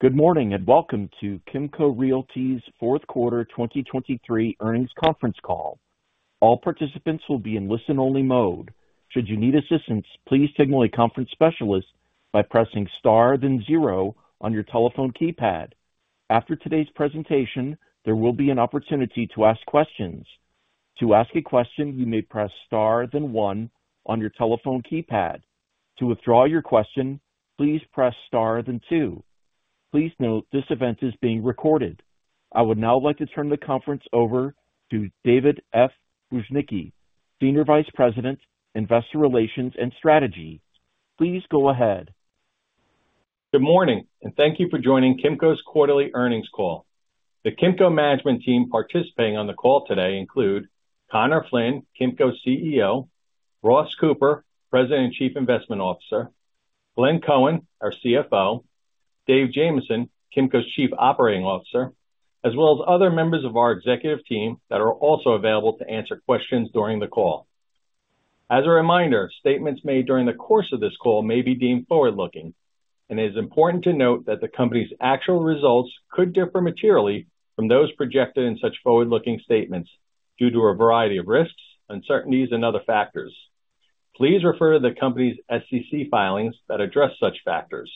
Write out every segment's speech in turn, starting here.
Good morning, and welcome to Kimco Realty's Fourth Quarter 2023 Earnings Conference Call. All participants will be in listen-only mode. Should you need assistance, please signal a conference specialist by pressing star, then zero on your telephone keypad. After today's presentation, there will be an opportunity to ask questions. To ask a question, you may press Star then one on your telephone keypad. To withdraw your question, please press star, then two. Please note, this event is being recorded. I would now like to turn the conference over to David F. Bujnicki, Senior Vice President, Investor Relations and Strategy. Please go ahead. Good morning, and thank you for joining Kimco's quarterly earnings call. The Kimco management team participating on the call today include: Conor Flynn, Kimco's CEO, Ross Cooper, President and Chief Investment Officer, Glenn Cohen, our CFO, Dave Jamieson, Kimco's Chief Operating Officer, as well as other members of our executive team that are also available to answer questions during the call. As a reminder, statements made during the course of this call may be deemed forward-looking, and it is important to note that the company's actual results could differ materially from those projected in such forward-looking statements due to a variety of risks, uncertainties, and other factors. Please refer to the company's SEC filings that address such factors.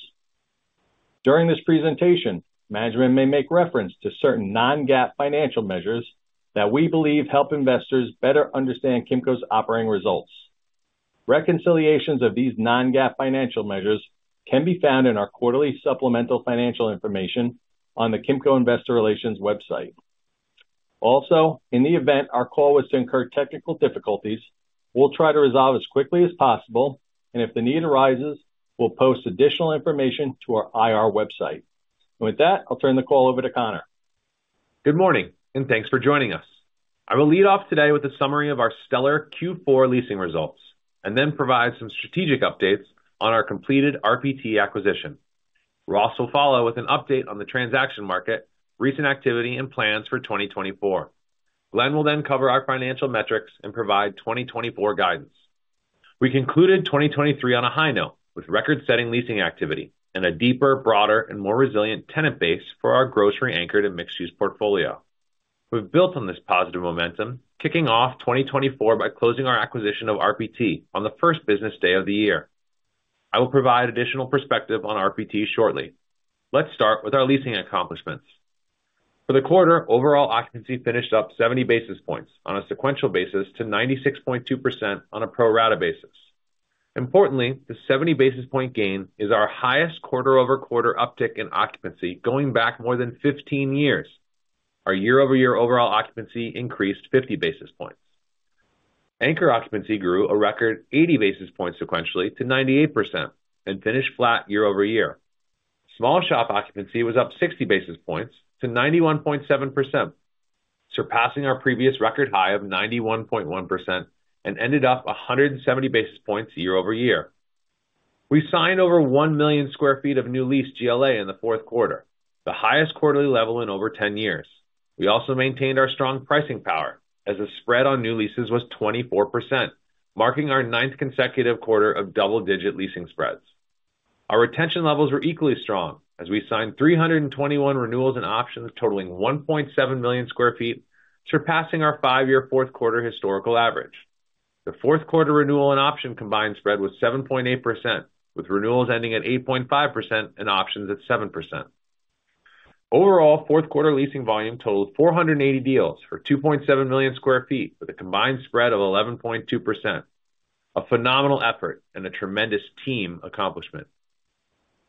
During this presentation, management may make reference to certain non-GAAP financial measures that we believe help investors better understand Kimco's operating results. Reconciliations of these non-GAAP financial measures can be found in our quarterly supplemental financial information on the Kimco Investor Relations website. Also, in the event our call was to incur technical difficulties, we'll try to resolve as quickly as possible, and if the need arises, we'll post additional information to our IR website. With that, I'll turn the call over to Conor. Good morning, and thanks for joining us. I will lead off today with a summary of our stellar Q4 leasing results, and then provide some strategic updates on our completed RPT acquisition. Ross will follow with an update on the transaction market, recent activity, and plans for 2024. Glenn will then cover our financial metrics and provide 2024 guidance. We concluded 2023 on a high note, with record-setting leasing activity and a deeper, broader, and more resilient tenant base for our grocery-anchored and mixed-use portfolio. We've built on this positive momentum, kicking off 2024 by closing our acquisition of RPT on the first business day of the year. I will provide additional perspective on RPT shortly. Let's start with our leasing accomplishments. For the quarter, overall occupancy finished up 70 basis points on a sequential basis to 96.2% on a pro rata basis. Importantly, the 70 basis point gain is our highest quarter-over-quarter uptick in occupancy going back more than 15 years. Our year-over-year overall occupancy increased 50 basis points. Anchor occupancy grew a record 80 basis points sequentially to 98% and finished flat year over year. Small shop occupancy was up 60 basis points to 91.7%, surpassing our previous record high of 91.1%, and ended up 170 basis points year over year. We signed over 1 million sq ft of new lease GLA in the fourth quarter, the highest quarterly level in over 10 years. We also maintained our strong pricing power as the spread on new leases was 24%, marking our ninth consecutive quarter of double-digit leasing spreads. Our retention levels were equally strong as we signed 321 renewals and options totaling 1.7 million sq ft, surpassing our 5-year fourth quarter historical average. The fourth quarter renewal and option combined spread was 7.8%, with renewals ending at 8.5% and options at 7%. Overall, fourth quarter leasing volume totaled 480 deals for 2.7 million sq ft, with a combined spread of 11.2%. A phenomenal effort and a tremendous team accomplishment.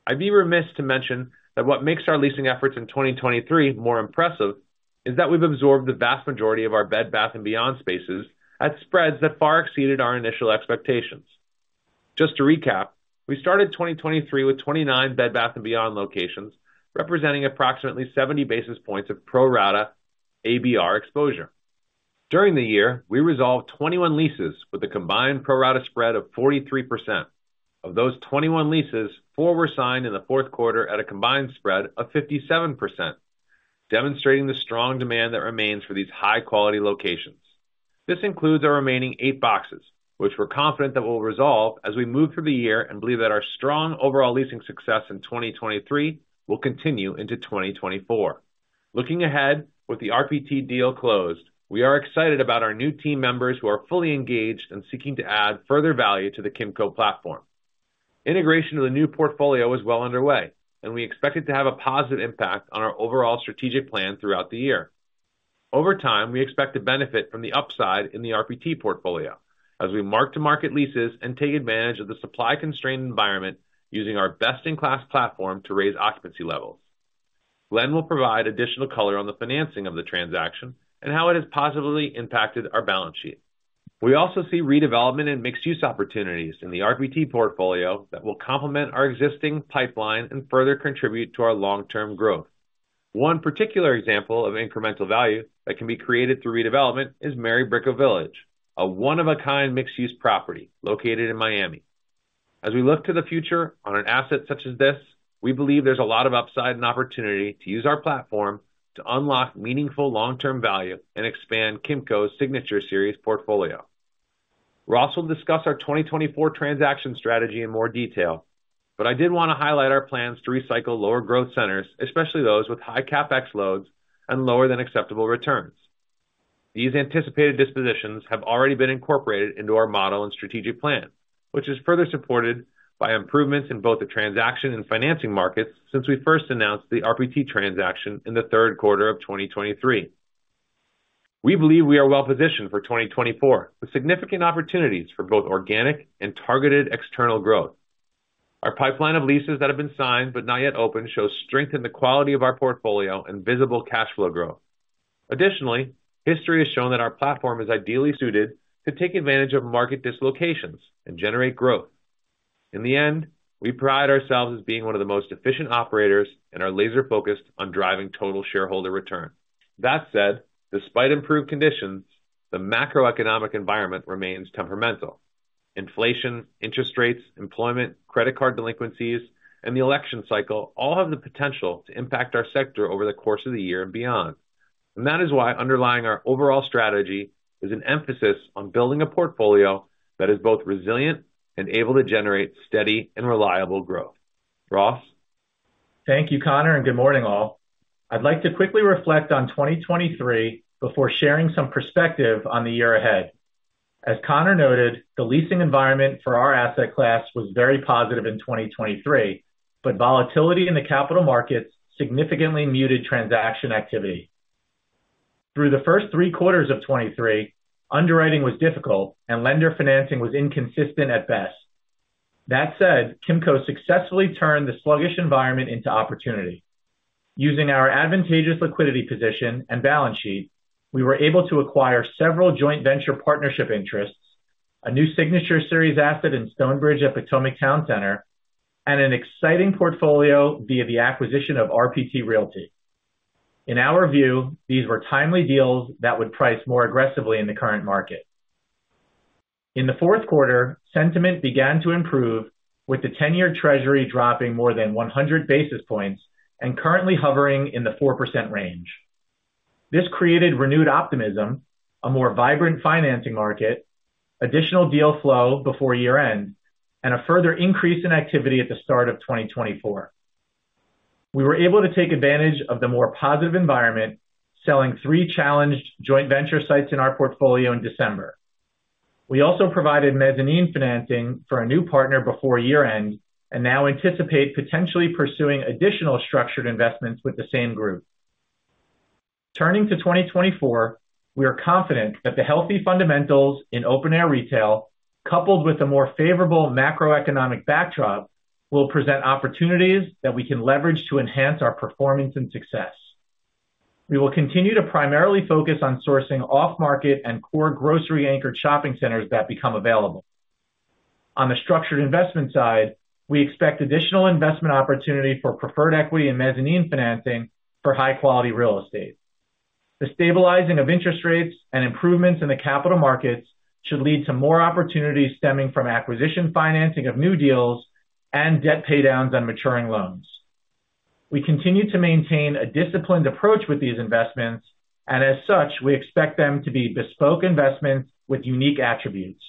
I'd be remiss to mention that what makes our leasing efforts in 2023 more impressive is that we've absorbed the vast majority of our Bed Bath & Beyond spaces at spreads that far exceeded our initial expectations. Just to recap, we started 2023 with 29 Bed Bath & Beyond locations, representing approximately 70 basis points of pro rata ABR exposure. During the year, we resolved 21 leases with a combined pro rata spread of 43%. Of those 21 leases, four were signed in the fourth quarter at a combined spread of 57%, demonstrating the strong demand that remains for these high-quality locations. This includes our remaining eight boxes, which we're confident that will resolve as we move through the year and believe that our strong overall leasing success in 2023 will continue into 2024. Looking ahead, with the RPT deal closed, we are excited about our new team members who are fully engaged and seeking to add further value to the Kimco platform. Integration of the new portfolio is well underway, and we expect it to have a positive impact on our overall strategic plan throughout the year. Over time, we expect to benefit from the upside in the RPT portfolio as we mark to market leases and take advantage of the supply-constrained environment using our best-in-class platform to raise occupancy levels. Glenn will provide additional color on the financing of the transaction and how it has positively impacted our balance sheet. We also see redevelopment and mixed-use opportunities in the RPT portfolio that will complement our existing pipeline and further contribute to our long-term growth. One particular example of incremental value that can be created through redevelopment is Mary Brickell Village, a one-of-a-kind mixed-use property located in Miami. As we look to the future on an asset such as this, we believe there's a lot of upside and opportunity to use our platform to unlock meaningful long-term value and expand Kimco's Signature Series portfolio. Ross will discuss our 2024 transaction strategy in more detail, but I did want to highlight our plans to recycle lower growth centers, especially those with high CapEx loads and lower than acceptable returns. These anticipated dispositions have already been incorporated into our model and strategic plan, which is further supported by improvements in both the transaction and financing markets since we first announced the RPT transaction in the third quarter of 2023. We believe we are well positioned for 2024, with significant opportunities for both organic and targeted external growth. Our pipeline of leases that have been signed but not yet open shows strength in the quality of our portfolio and visible cash flow growth. Additionally, history has shown that our platform is ideally suited to take advantage of market dislocations and generate growth. In the end, we pride ourselves as being one of the most efficient operators and are laser-focused on driving total shareholder return. That said, despite improved conditions, the macroeconomic environment remains temperamental. Inflation, interest rates, employment, credit card delinquencies, and the election cycle all have the potential to impact our sector over the course of the year and beyond. That is why underlying our overall strategy is an emphasis on building a portfolio that is both resilient and able to generate steady and reliable growth. Ross? Thank you, Conor, and good morning, all. I'd like to quickly reflect on 2023 before sharing some perspective on the year ahead. As Conor noted, the leasing environment for our asset class was very positive in 2023, but volatility in the capital markets significantly muted transaction activity. Through the first three quarters of 2023, underwriting was difficult and lender financing was inconsistent at best. That said, Kimco successfully turned the sluggish environment into opportunity. Using our advantageous liquidity position and balance sheet, we were able to acquire several joint venture partnership interests, a new signature series asset in Stonebridge at Potomac Town Center, and an exciting portfolio via the acquisition of RPT Realty. In our view, these were timely deals that would price more aggressively in the current market. In the fourth quarter, sentiment began to improve, with the 10-year Treasury dropping more than 100 basis points and currently hovering in the 4% range. This created renewed optimism, a more vibrant financing market, additional deal flow before year-end, and a further increase in activity at the start of 2024. We were able to take advantage of the more positive environment, selling three challenged joint venture sites in our portfolio in December. We also provided mezzanine financing for a new partner before year-end and now anticipate potentially pursuing additional structured investments with the same group. Turning to 2024, we are confident that the healthy fundamentals in open-air retail, coupled with a more favorable macroeconomic backdrop, will present opportunities that we can leverage to enhance our performance and success. We will continue to primarily focus on sourcing off-market and core grocery-anchored shopping centers that become available. On the structured investment side, we expect additional investment opportunity for preferred equity and mezzanine financing for high-quality real estate. The stabilizing of interest rates and improvements in the capital markets should lead to more opportunities stemming from acquisition financing of new deals and debt paydowns on maturing loans. We continue to maintain a disciplined approach with these investments, and as such, we expect them to be bespoke investments with unique attributes.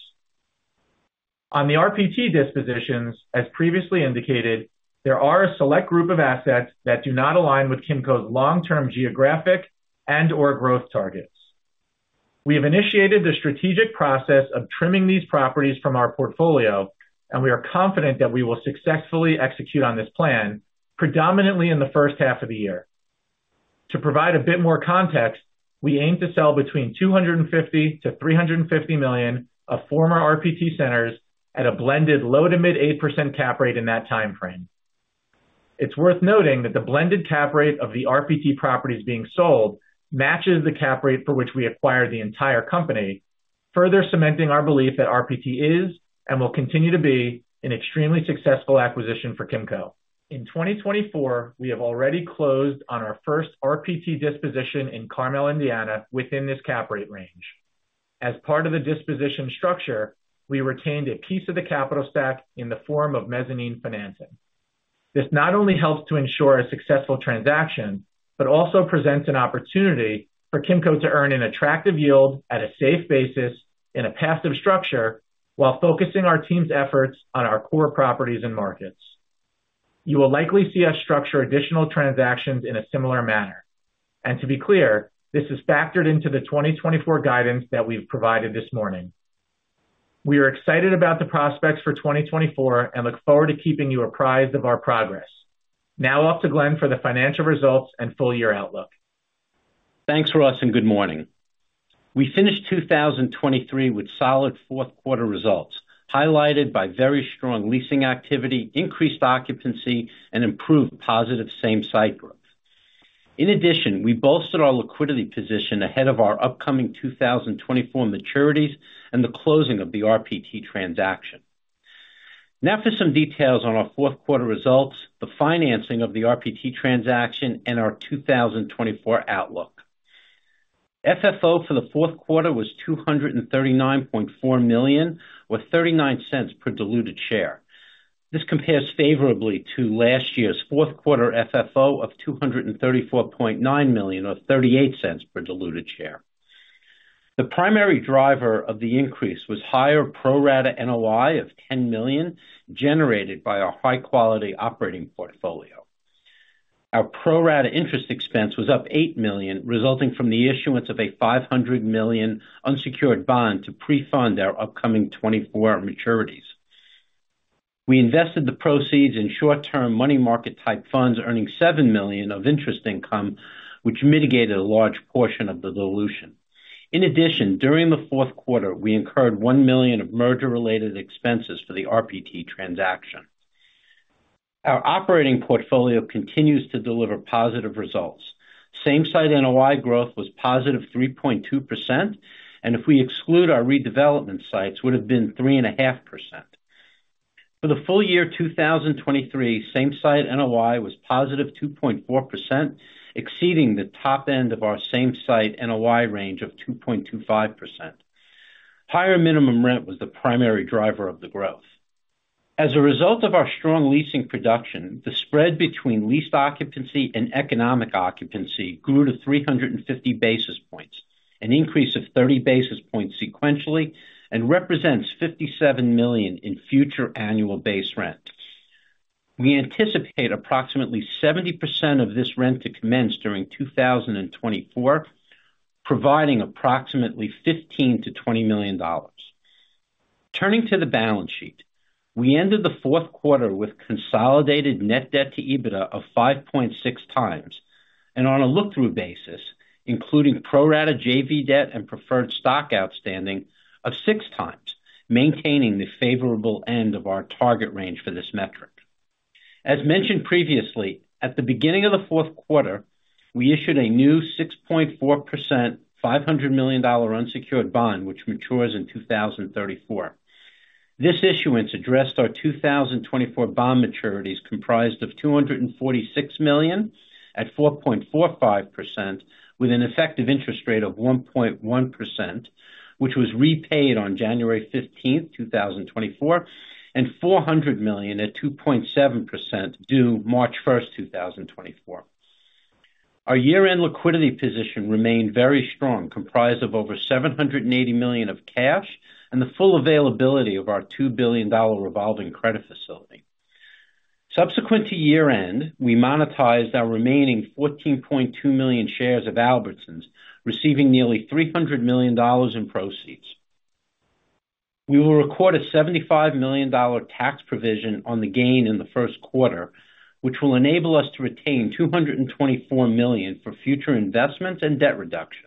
On the RPT dispositions, as previously indicated, there are a select group of assets that do not align with Kimco's long-term geographic and/or growth targets. We have initiated the strategic process of trimming these properties from our portfolio, and we are confident that we will successfully execute on this plan, predominantly in the first half of the year. To provide a bit more context, we aim to sell between $250-$350 million of former RPT centers at a blended low-to-mid 8% cap rate in that time frame. It's worth noting that the blended cap rate of the RPT properties being sold matches the cap rate for which we acquired the entire company, further cementing our belief that RPT is and will continue to be an extremely successful acquisition for Kimco. In 2024, we have already closed on our first RPT disposition in Carmel, Indiana, within this cap rate range. As part of the disposition structure, we retained a piece of the capital stack in the form of mezzanine financing. This not only helps to ensure a successful transaction, but also presents an opportunity for Kimco to earn an attractive yield at a safe basis in a passive structure, while focusing our team's efforts on our core properties and markets. You will likely see us structure additional transactions in a similar manner. To be clear, this is factored into the 2024 guidance that we've provided this morning. We are excited about the prospects for 2024 and look forward to keeping you apprised of our progress. Now off to Glenn for the financial results and full year outlook. Thanks, Ross, and good morning. We finished 2023 with solid fourth quarter results, highlighted by very strong leasing activity, increased occupancy, and improved positive same-site growth. In addition, we bolstered our liquidity position ahead of our upcoming 2024 maturities and the closing of the RPT transaction. Now for some details on our fourth quarter results, the financing of the RPT transaction, and our 2024 outlook. FFO for the fourth quarter was $239.4 million, or $0.39 per diluted share. ...This compares favorably to last year's fourth quarter FFO of $234.9 million, or $0.38 per diluted share. The primary driver of the increase was higher pro rata NOI of $10 million, generated by our high-quality operating portfolio. Our pro rata interest expense was up $8 million, resulting from the issuance of a $500 million unsecured bond to pre-fund our upcoming 2024 maturities. We invested the proceeds in short-term money market type funds, earning $7 million of interest income, which mitigated a large portion of the dilution. In addition, during the fourth quarter, we incurred $1 million of merger-related expenses for the RPT transaction. Our operating portfolio continues to deliver positive results. Same-site NOI growth was positive 3.2%, and if we exclude our redevelopment sites, would have been 3.5%. For the full year 2023, same-site NOI was positive 2.4%, exceeding the top end of our same-site NOI range of 2.25%. Higher minimum rent was the primary driver of the growth. As a result of our strong leasing production, the spread between leased occupancy and economic occupancy grew to 350 basis points, an increase of 30 basis points sequentially, and represents $57 million in future annual base rent. We anticipate approximately 70% of this rent to commence during 2024, providing approximately $15 million-$20 million. Turning to the balance sheet. We ended the fourth quarter with consolidated net debt to EBITDA of 5.6 times, and on a look-through basis, including pro rata JV debt and preferred stock outstanding of six times, maintaining the favorable end of our target range for this metric. As mentioned previously, at the beginning of the fourth quarter, we issued a new 6.4%, $500 million unsecured bond, which matures in 2034. This issuance addressed our 2024 bond maturities, comprised of $246 million at 4.45%, with an effective interest rate of 1.1%, which was repaid on January 15, 2024, and $400 million at 2.7%, due March 1, 2024. Our year-end liquidity position remained very strong, comprised of over $780 million of cash and the full availability of our $2 billion revolving credit facility. Subsequent to year-end, we monetized our remaining 14.2 million shares of Albertsons, receiving nearly $300 million in proceeds. We will record a $75 million tax provision on the gain in the first quarter, which will enable us to retain $224 million for future investments and debt reduction.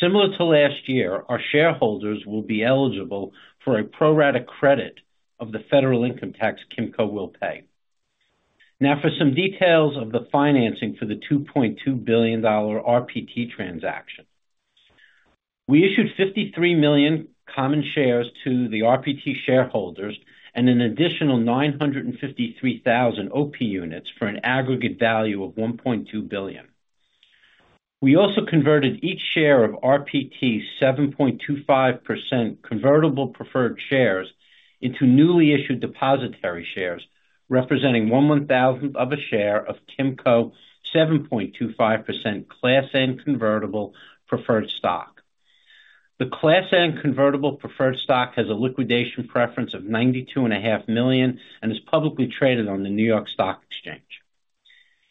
Similar to last year, our shareholders will be eligible for a pro rata credit of the federal income tax Kimco will pay. Now, for some details of the financing for the $2.2 billion RPT transaction. We issued 53 million common shares to the RPT shareholders and an additional 953,000 OP Units for an aggregate value of $1.2 billion. We also converted each share of RPT's 7.25% convertible preferred shares into newly issued depositary shares, representing 1/1,000th of a share of Kimco 7.25% Class N convertible preferred stock. The Class N convertible preferred stock has a liquidation preference of $92.5 million and is publicly traded on the New York Stock Exchange.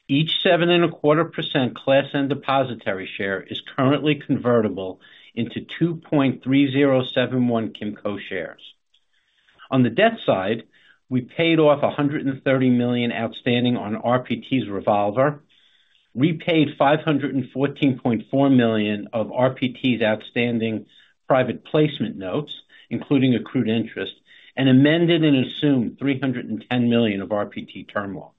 Each 7.25% Class N depositary share is currently convertible into 2.3071 Kimco shares. On the debt side, we paid off $130 million outstanding on RPT's revolver, repaid $514.4 million of RPT's outstanding private placement notes, including accrued interest, and amended and assumed $310 million of RPT term loans.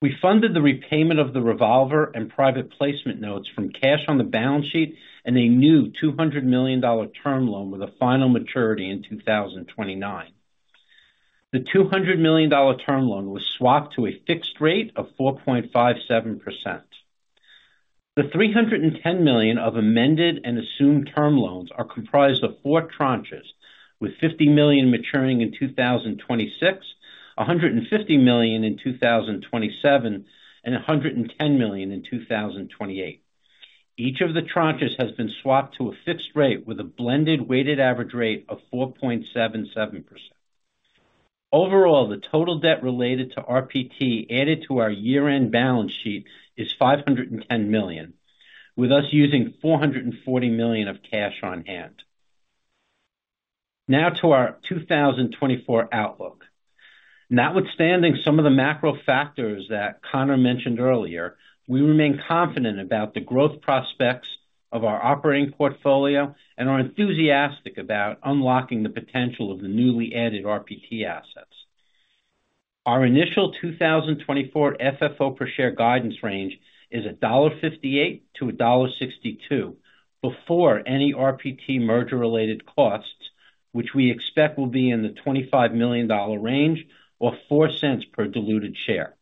We funded the repayment of the revolver and private placement notes from cash on the balance sheet and a new $200 million term loan with a final maturity in 2029. The $200 million term loan was swapped to a fixed rate of 4.57%. The $310 million of amended and assumed term loans are comprised of four tranches, with $50 million maturing in 2026, $150 million in 2027, and $110 million in 2028. Each of the tranches has been swapped to a fixed rate with a blended weighted average rate of 4.77%. Overall, the total debt related to RPT added to our year-end balance sheet is $510 million, with us using $440 million of cash on hand. Now to our 2024 outlook. Notwithstanding some of the macro factors that Conor mentioned earlier, we remain confident about the growth prospects of our operating portfolio and are enthusiastic about unlocking the potential of the newly added RPT assets. Our initial 2024 FFO per share guidance range is $1.58-$1.62 before any RPT merger-related costs, which we expect will be in the $25 million range or $0.04 per diluted share.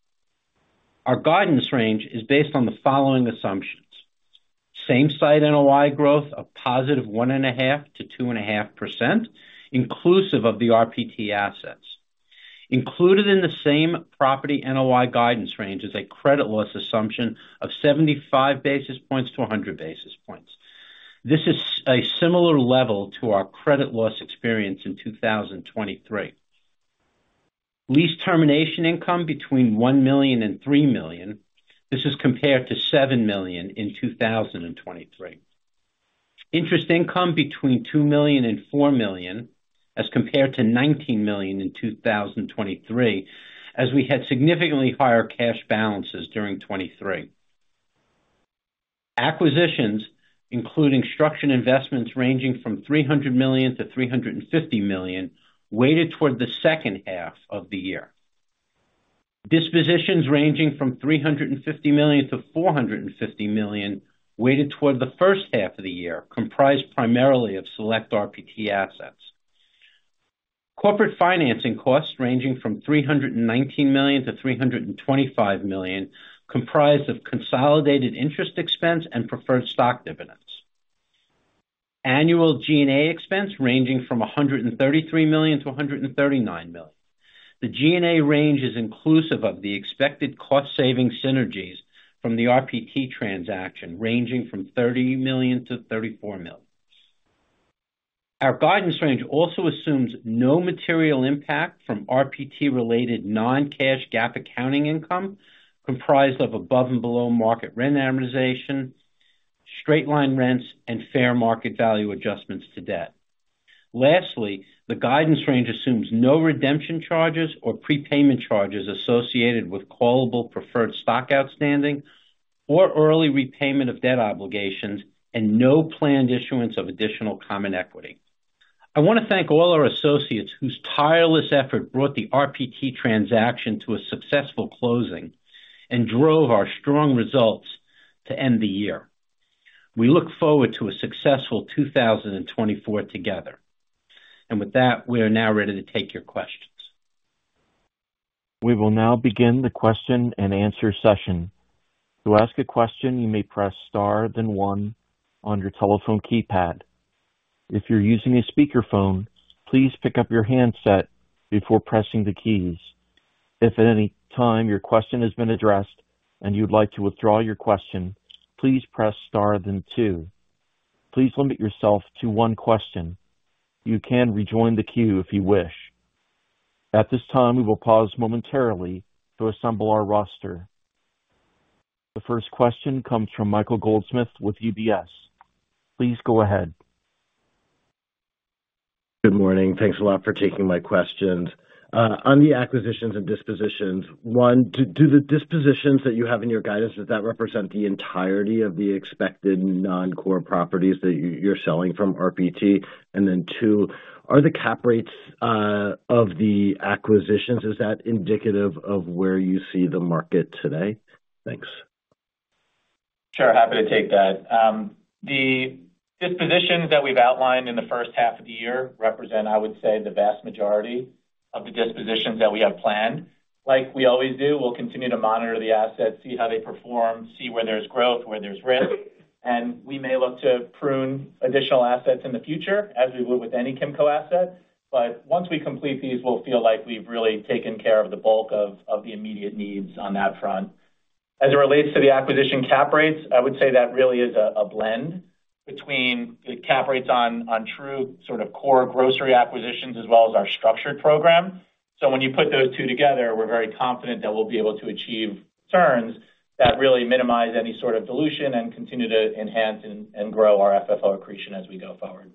Our guidance range is based on the following assumptions.... Same-site NOI growth of +1.5%-2.5%, inclusive of the RPT assets. Included in the same-property NOI guidance range is a credit loss assumption of 75 basis points-100 basis points. This is a similar level to our credit loss experience in 2023. Lease termination income between $1 million and $3 million. This is compared to $7 million in 2023. Interest income between $2 million and $4 million, as compared to $19 million in 2023, as we had significantly higher cash balances during 2023. Acquisitions, including structured investments ranging from $300 million-$350 million, weighted toward the second half of the year. Dispositions ranging from $350 million-$450 million, weighted toward the first half of the year, comprised primarily of select RPT assets. Corporate financing costs ranging from $319 million-$325 million, comprised of consolidated interest expense and preferred stock dividends. Annual G&A expense ranging from $133 million-$139 million. The G&A range is inclusive of the expected cost saving synergies from the RPT transaction, ranging from $30 million-$34 million. Our guidance range also assumes no material impact from RPT-related non-cash GAAP accounting income, comprised of above and below market rent amortization, straight-line rents, and fair market value adjustments to debt. Lastly, the guidance range assumes no redemption charges or prepayment charges associated with callable preferred stock outstanding or early repayment of debt obligations and no planned issuance of additional common equity. I want to thank all our associates whose tireless effort brought the RPT transaction to a successful closing and drove our strong results to end the year. We look forward to a successful 2024 together. With that, we are now ready to take your questions. We will now begin the question and answer session. To ask a question, you may press star then one on your telephone keypad. If you're using a speakerphone, please pick up your handset before pressing the keys. If at any time your question has been addressed and you'd like to withdraw your question, please press star then two. Please limit yourself to one question. You can rejoin the queue if you wish. At this time, we will pause momentarily to assemble our roster. The first question comes from Michael Goldsmith with UBS. Please go ahead. Good morning. Thanks a lot for taking my questions. On the acquisitions and dispositions, one, do the dispositions that you have in your guidance, does that represent the entirety of the expected non-core properties that you're selling from RPT? And then two, are the cap rates of the acquisitions, is that indicative of where you see the market today? Thanks. Sure. Happy to take that. The dispositions that we've outlined in the first half of the year represent, I would say, the vast majority of the dispositions that we have planned. Like we always do, we'll continue to monitor the assets, see how they perform, see where there's growth, where there's risk, and we may look to prune additional assets in the future, as we would with any Kimco asset. But once we complete these, we'll feel like we've really taken care of the bulk of the immediate needs on that front. As it relates to the acquisition cap rates, I would say that really is a blend between the cap rates on true sort of core grocery acquisitions as well as our structured program. So when you put those two together, we're very confident that we'll be able to achieve returns that really minimize any sort of dilution and continue to enhance and grow our FFO accretion as we go forward.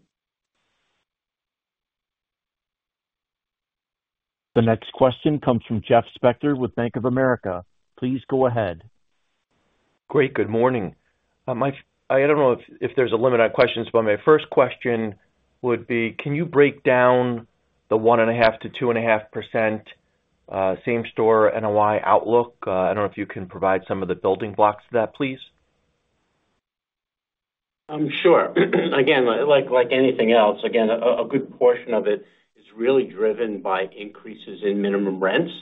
The next question comes from Jeff Spector with Bank of America. Please go ahead. Great. Good morning. My... I don't know if, if there's a limit on questions, but my first question would be, can you break down the 1.5%-2.5% same-store NOI outlook? I don't know if you can provide some of the building blocks to that, please? Sure. Again, like anything else, again, a good portion of it is really driven by increases in minimum rents.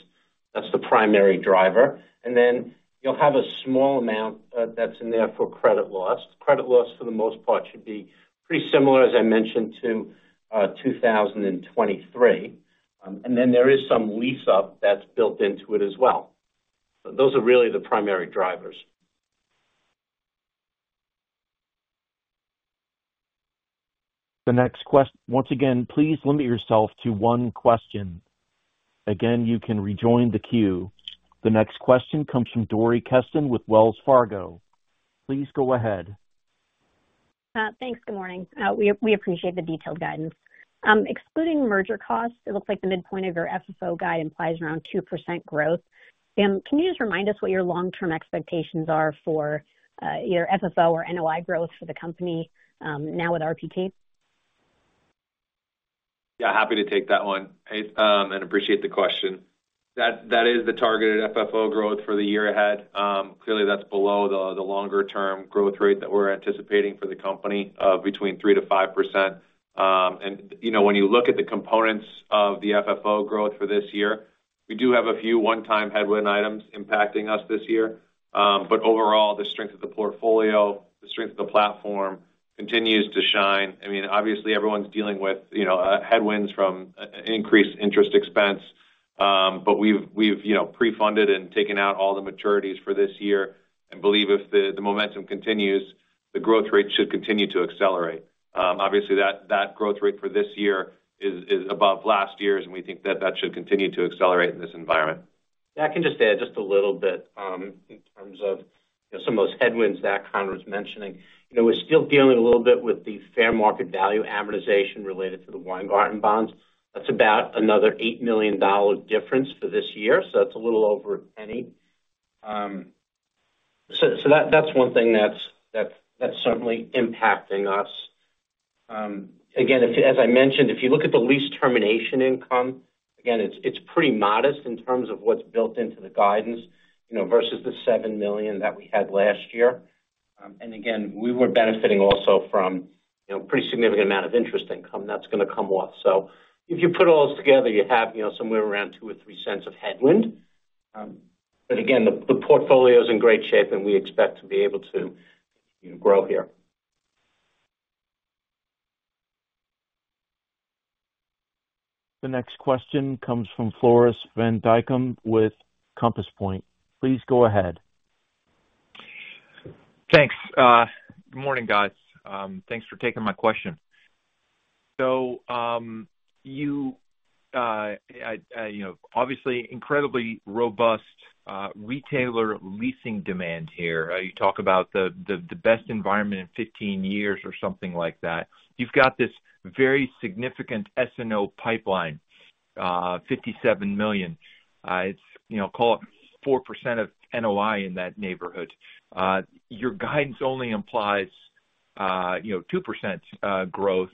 That's the primary driver. And then you'll have a small amount that's in there for credit loss. Credit loss, for the most part, should be pretty similar, as I mentioned, to 2023. And then there is some lease-up that's built into it as well. Those are really the primary drivers. The next question. Once again, please limit yourself to one question. Again, you can rejoin the queue. The next question comes from Dori Kesten with Wells Fargo. Please go ahead. Thanks. Good morning. We appreciate the detailed guidance. Excluding merger costs, it looks like the midpoint of your FFO guide implies around 2% growth. So, can you just remind us what your long-term expectations are for either FFO or NOI growth for the company now with RPT? Yeah, happy to take that one. I and appreciate the question. That is the targeted FFO growth for the year ahead. Clearly, that's below the longer-term growth rate that we're anticipating for the company, between 3%-5%. And, you know, when you look at the components of the FFO growth for this year-... We do have a few one-time headwind items impacting us this year. But overall, the strength of the portfolio, the strength of the platform continues to shine. I mean, obviously, everyone's dealing with, you know, headwinds from increased interest expense. But we've, you know, pre-funded and taken out all the maturities for this year, and believe if the momentum continues, the growth rate should continue to accelerate. Obviously, that growth rate for this year is above last year's, and we think that that should continue to accelerate in this environment. Yeah, I can just add just a little bit in terms of, you know, some of those headwinds that Conor was mentioning. You know, we're still dealing a little bit with the fair market value amortization related to the Weingarten bonds. That's about another $8 million difference for this year, so that's a little over a penny. So that's one thing that's certainly impacting us. Again, as I mentioned, if you look at the lease termination income, again, it's pretty modest in terms of what's built into the guidance, you know, versus the $7 million that we had last year. And again, we were benefiting also from, you know, a pretty significant amount of interest income that's gonna come off. So if you put all those together, you have, you know, somewhere around two or three cents of headwind. But again, the portfolio is in great shape, and we expect to be able to, you know, grow here. The next question comes from Floris van Dijkum with Compass Point. Please go ahead. Thanks. Good morning, guys. Thanks for taking my question. So, you know, obviously incredibly robust retailer leasing demand here. You talk about the best environment in 15 years or something like that. You've got this very significant SNO pipeline, $57 million. It's, you know, call it 4% of NOI in that neighborhood. Your guidance only implies, you know, 2% growth.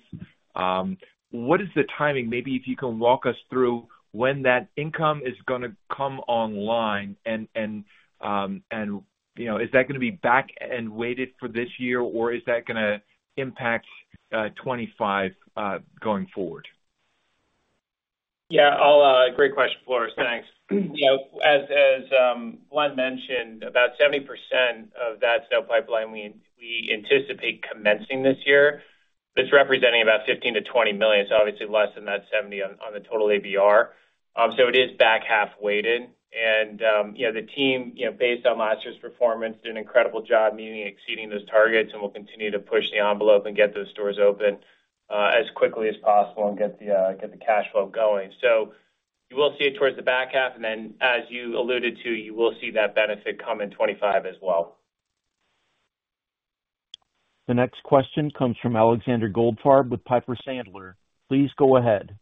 What is the timing? Maybe if you can walk us through when that income is gonna come online, and, and, and, you know, is that gonna be back and weighted for this year, or is that gonna impact 2025 going forward? Yeah, I'll... Great question, Floris. Thanks. You know, as Glenn mentioned, about 70% of that SNO pipeline we anticipate commencing this year. That's representing about $15 million-$20 million, so obviously less than that 70% on the total ABR. So it is back half weighted. And, you know, the team, you know, based on last year's performance, did an incredible job meeting and exceeding those targets, and we'll continue to push the envelope and get those stores open as quickly as possible and get the cash flow going. So you will see it towards the back half, and then, as you alluded to, you will see that benefit come in 2025 as well. The next question comes from Alexander Goldfarb with Piper Sandler. Please go ahead.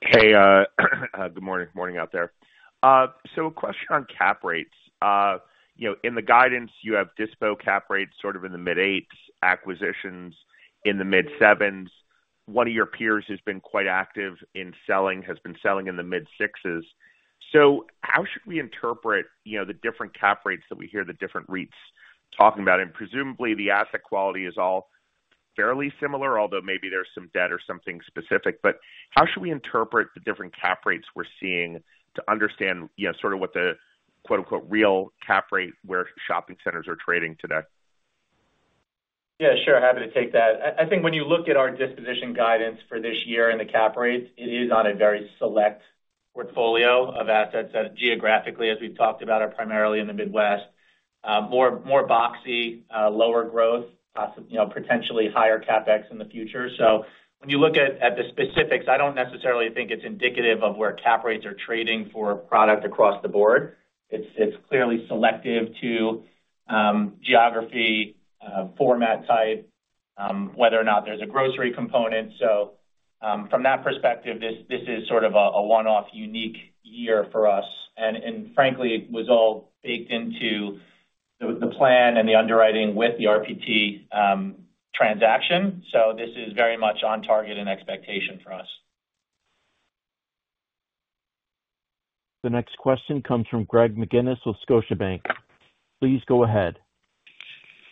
Hey, good morning. Morning out there. So a question on cap rates. You know, in the guidance, you have dispo cap rates sort of in the mid-8s, acquisitions in the mid-7s. One of your peers has been quite active in selling, has been selling in the mid-6s. So how should we interpret, you know, the different cap rates that we hear the different REITs talking about? And presumably, the asset quality is all fairly similar, although maybe there's some debt or something specific. But how should we interpret the different cap rates we're seeing to understand, you know, sort of what the, quote, unquote, "real cap rate," where shopping centers are trading today? Yeah, sure. Happy to take that. I, I think when you look at our disposition guidance for this year and the cap rates, it is on a very select portfolio of assets that, geographically, as we've talked about, are primarily in the Midwest. More boxy, lower growth, you know, potentially higher CapEx in the future. So when you look at the specifics, I don't necessarily think it's indicative of where cap rates are trading for product across the board. It's clearly selective to geography, format type, whether or not there's a grocery component. So from that perspective, this is sort of a one-off unique year for us, and frankly, it was all baked into the plan and the underwriting with the RPT transaction. So this is very much on target and expectation for us. The next question comes from Greg McGinniss with Scotiabank. Please go ahead.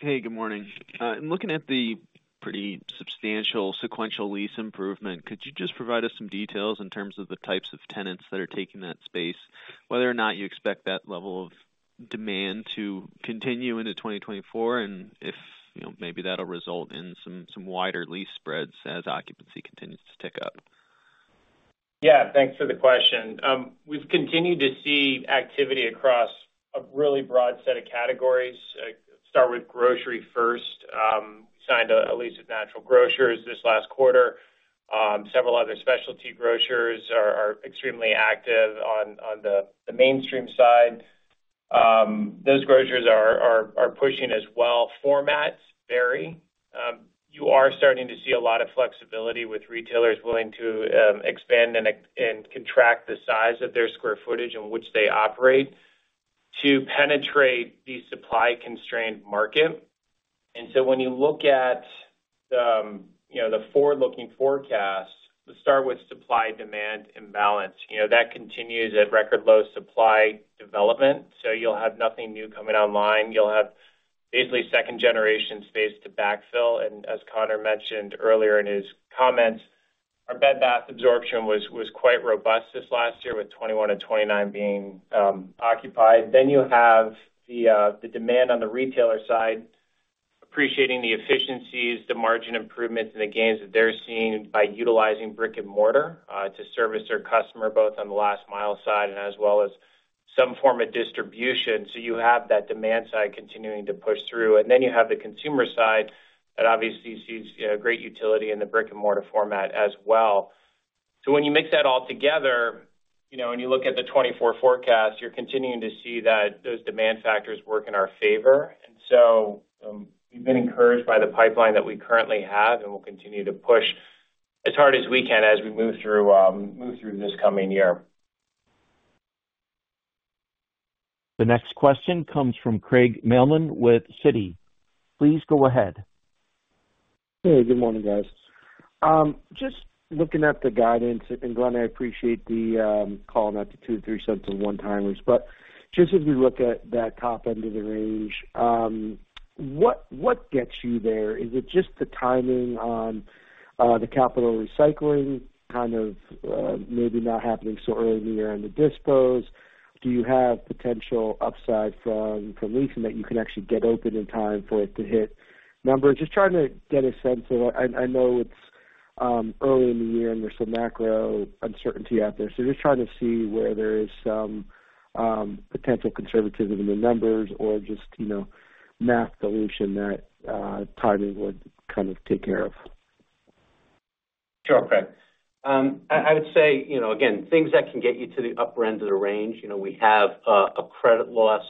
Hey, good morning. In looking at the pretty substantial sequential lease improvement, could you just provide us some details in terms of the types of tenants that are taking that space? Whether or not you expect that level of demand to continue into 2024, and if, you know, maybe that'll result in some, some wider lease spreads as occupancy continues to tick up. Yeah. Thanks for the question. We've continued to see activity across a really broad set of categories. Start with grocery first. Signed a lease with Natural Grocers this last quarter. Several other specialty grocers are extremely active on the mainstream side. Those grocers are pushing as well. Formats vary. You are starting to see a lot of flexibility with retailers willing to expand and contract the size of their square footage in which they operate, to penetrate the supply-constrained market. And so when you look at the forward-looking forecast, you know, let's start with supply-demand imbalance. You know, that continues at record low supply development, so you'll have nothing new coming online. You'll have basically second generation space to backfill. As Conor mentioned earlier in his comments, our Bed Bath absorption was quite robust this last year, with 21-29 being occupied. Then you have the demand on the retailer side, appreciating the efficiencies, the margin improvements and the gains that they're seeing by utilizing brick-and-mortar to service their customer, both on the last mile side and as well as some form of distribution. So you have that demand side continuing to push through. And then you have the consumer side that obviously sees great utility in the brick-and-mortar format as well. So when you mix that all together, you know, when you look at the 2024 forecast, you're continuing to see that those demand factors work in our favor. So, we've been encouraged by the pipeline that we currently have, and we'll continue to push as hard as we can as we move through this coming year. The next question comes from Craig Mailman with Citi. Please go ahead. Hey, good morning, guys. Just looking at the guidance, and Glenn, I appreciate the call out to $0.02-$0.03 of one-timers. But just as we look at that top end of the range, what gets you there? Is it just the timing on the capital recycling kind of maybe not happening so early in the year on the dispos? Do you have potential upside from leasing that you can actually get open in time for it to hit numbers? Just trying to get a sense of, I know it's early in the year, and there's some macro uncertainty out there. So just trying to see where there is some potential conservatism in the numbers or just, you know, math dilution that timing would kind of take care of. Sure, Craig. I would say, you know, again, things that can get you to the upper end of the range, you know, we have a credit loss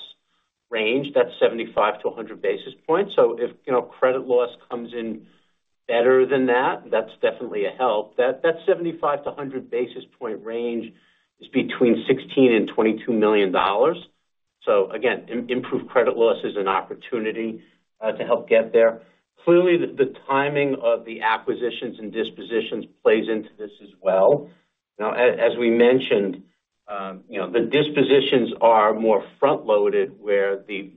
range that's 75-100 basis points. So if, you know, credit loss comes in better than that, that's definitely a help. That 75-100 basis point range is between $16 million and $22 million. So again, improved credit loss is an opportunity to help get there. Clearly, the timing of the acquisitions and dispositions plays into this as well. Now, as we mentioned, you know, the dispositions are more front-loaded, where the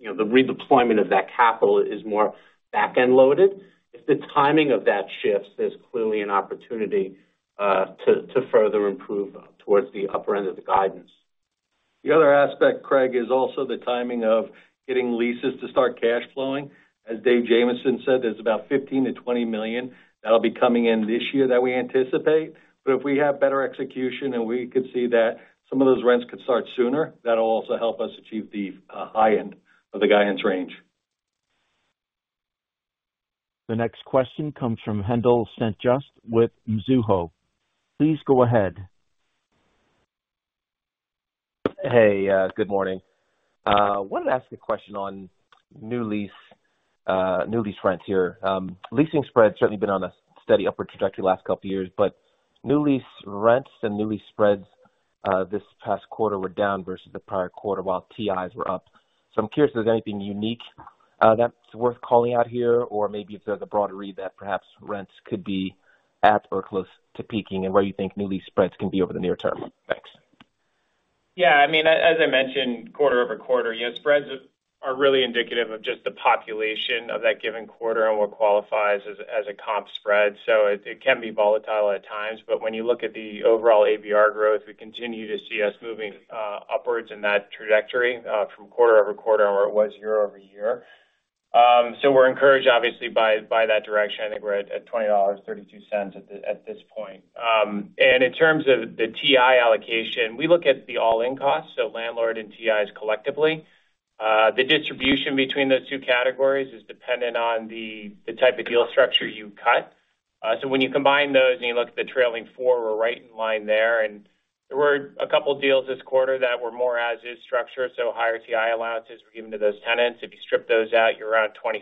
redeployment of that capital is more back-end loaded. If the timing of that shifts, there's clearly an opportunity to further improve towards the upper end of the guidance. The other aspect, Craig, is also the timing of getting leases to start cash flowing. As David Jamieson said, there's about $15 million-$20 million that'll be coming in this year that we anticipate. But if we have better execution and we could see that some of those rents could start sooner, that'll also help us achieve the high end of the guidance range. The next question comes from Haendel St. Juste with Mizuho. Please go ahead. Hey, good morning. Wanted to ask a question on new lease, new lease rents here. Leasing spreads certainly been on a steady upward trajectory the last couple of years, but new lease rents and new lease spreads, this past quarter were down versus the prior quarter, while TIs were up. So I'm curious if there's anything unique, that's worth calling out here, or maybe if there's a broader read that perhaps rents could be at or close to peaking, and where you think new lease spreads can be over the near term. Thanks. Yeah, I mean, as I mentioned, quarter-over-quarter, you know, spreads are, are really indicative of just the population of that given quarter and what qualifies as, as a comp spread, so it, it can be volatile at times. But when you look at the overall ABR growth, we continue to see us moving upwards in that trajectory from quarter-over-quarter, or it was year-over-year. So we're encouraged, obviously, by, by that direction. I think we're at, at $20.32 at this point. And in terms of the TI allocation, we look at the all-in cost, so landlord and TIs collectively. The distribution between those two categories is dependent on the, the type of deal structure you cut. So when you combine those and you look at the trailing four, we're right in line there. And there were a couple deals this quarter that were more as-is structure, so higher TI allowances were given to those tenants. If you strip those out, you're around $26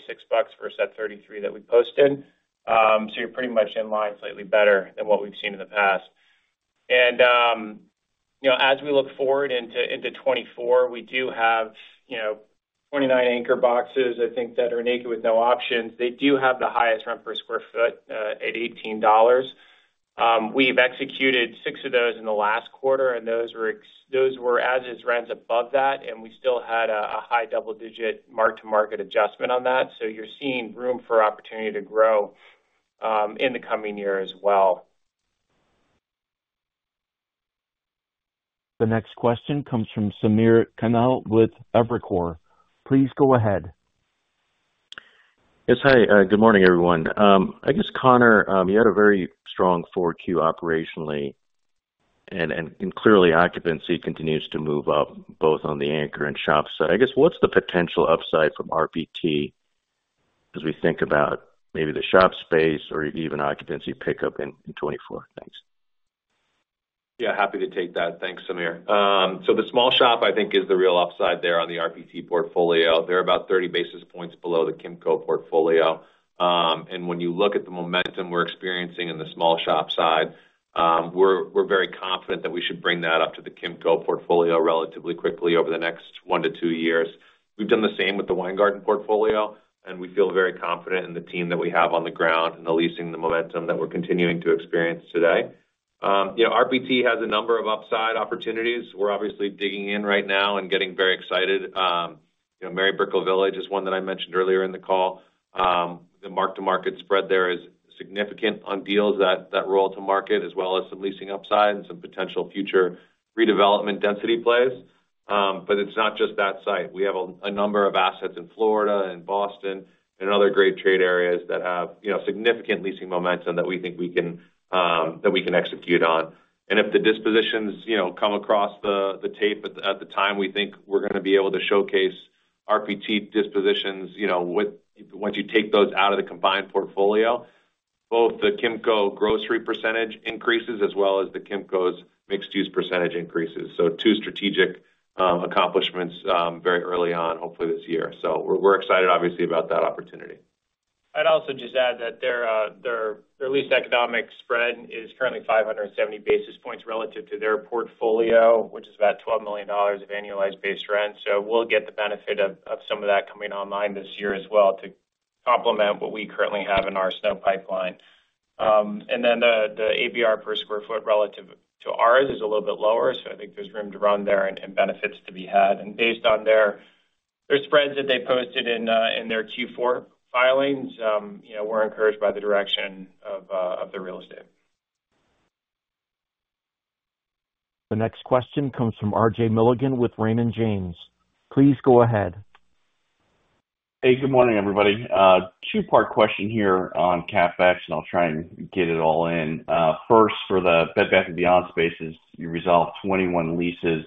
versus that $33 that we posted. So you're pretty much in line, slightly better than what we've seen in the past. And, you know, as we look forward into 2024, we do have, you know, 29 anchor boxes, I think, that are naked with no options. They do have the highest rent per square foot at $18. We've executed six of those in the last quarter, and those were as-is rents above that, and we still had a high double-digit mark-to-market adjustment on that. So you're seeing room for opportunity to grow, in the coming year as well. The next question comes from Samir Khanal with Evercore. Please go ahead. Yes, hi. Good morning, everyone. I guess, Conor, you had a very strong 4Q operationally, and clearly, occupancy continues to move up, both on the anchor and shop side. I guess, what's the potential upside from RPT as we think about maybe the shop space or even occupancy pickup in 2024? Thanks. Yeah, happy to take that. Thanks, Samir. So the small shop, I think, is the real upside there on the RPT portfolio. They're about 30 basis points below the Kimco portfolio. And when you look at the momentum we're experiencing in the small shop side, we're very confident that we should bring that up to the Kimco portfolio relatively quickly over the next one to two years. We've done the same with the Weingarten portfolio, and we feel very confident in the team that we have on the ground and the leasing momentum that we're continuing to experience today. You know, RPT has a number of upside opportunities. We're obviously digging in right now and getting very excited. You know, Mary Brickell Village is one that I mentioned earlier in the call. The mark-to-market spread there is significant on deals that roll to market, as well as some leasing upside and some potential future redevelopment density plays. But it's not just that site. We have a number of assets in Florida and Boston and other great trade areas that have, you know, significant leasing momentum that we think we can that we can execute on. And if the dispositions, you know, come across the tape at the time, we think we're gonna be able to showcase RPT dispositions, you know, with once you take those out of the combined portfolio, both the Kimco grocery percentage increases as well as the Kimco's mixed-use percentage increases. So two strategic accomplishments very early on, hopefully this year. So we're excited obviously about that opportunity. I'd also just add that their lease economic spread is currently 570 basis points relative to their portfolio, which is about $12 million of annualized base rent. So we'll get the benefit of some of that coming online this year as well, to complement what we currently have in our SNO pipeline. And then the ABR per square foot relative to ours is a little bit lower, so I think there's room to run there and benefits to be had. And based on their spreads that they posted in their Q4 filings, you know, we're encouraged by the direction of the real estate. The next question comes from R.J. Milligan with Raymond James. Please go ahead. Hey, good morning, everybody. Two-part question here on CapEx, and I'll try and get it all in. First, for the Bed Bath & Beyond spaces, you resolved 21 leases.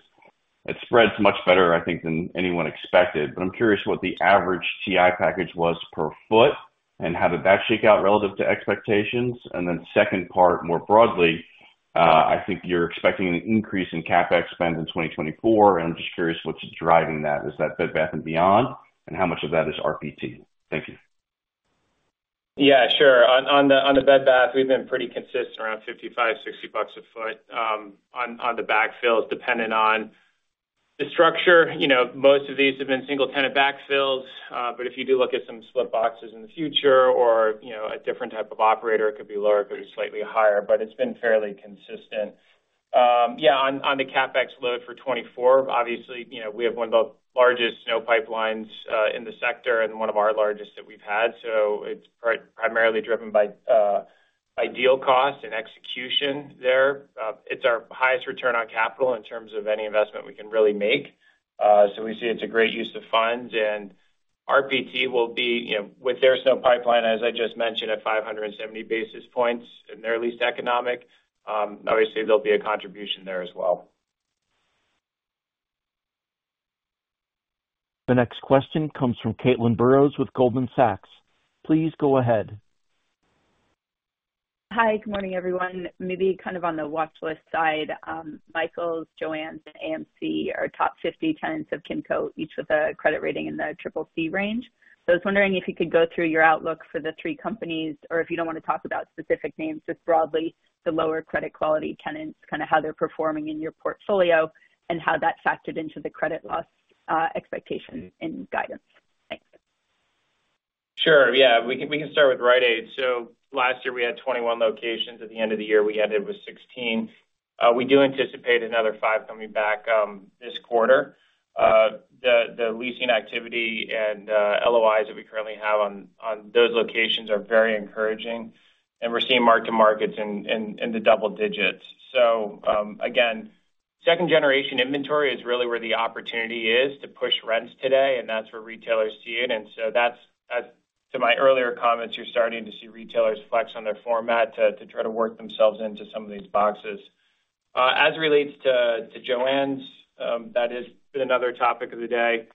It spreads much better, I think, than anyone expected. But I'm curious what the average TI package was per foot, and how did that shake out relative to expectations? And then second part, more broadly, I think you're expecting an increase in CapEx spend in 2024, and I'm just curious what's driving that. Is that Bed Bath & Beyond, and how much of that is RPT? Thank you. Yeah, sure. On the Bed Bath, we've been pretty consistent, around $55-$60 a foot on the backfills, depending on the structure. You know, most of these have been single-tenant backfills, but if you do look at some slip boxes in the future or, you know, a different type of operator, it could be lower, it could be slightly higher, but it's been fairly consistent. Yeah, on the CapEx load for 2024, obviously, you know, we have one of the largest SNO pipelines in the sector and one of our largest that we've had, so it's primarily driven by ideal cost and execution there. It's our highest return on capital in terms of any investment we can really make, so we see it's a great use of funds. RPT will be, you know, with their SNO pipeline, as I just mentioned, at 570 basis points in their lease economic, obviously, there'll be a contribution there as well. The next question comes from Caitlin Burrows with Goldman Sachs. Please go ahead. Hi, good morning, everyone. Maybe kind of on the watchlist side, Michaels, JOANN's, and AMC are top 50 tenants of Kimco, each with a credit rating in the Triple-C range. So I was wondering if you could go through your outlook for the three companies, or if you don't want to talk about specific names, just broadly, the lower credit quality tenants, kind of how they're performing in your portfolio and how that factored into the credit loss, expectation and guidance. Thanks. Sure. Yeah, we can start with Rite Aid. So last year, we had 21 locations. At the end of the year, we ended with 16. We do anticipate another five coming back this quarter. The leasing activity and LOIs that we currently have on those locations are very encouraging, and we're seeing mark-to-market in the double digits. So, again, second-generation inventory is really where the opportunity is to push rents today, and that's where retailers see it. And so that's to my earlier comments, you're starting to see retailers flex on their format to try to work themselves into some of these boxes. As it relates to JOANN's, that has been another topic of the day.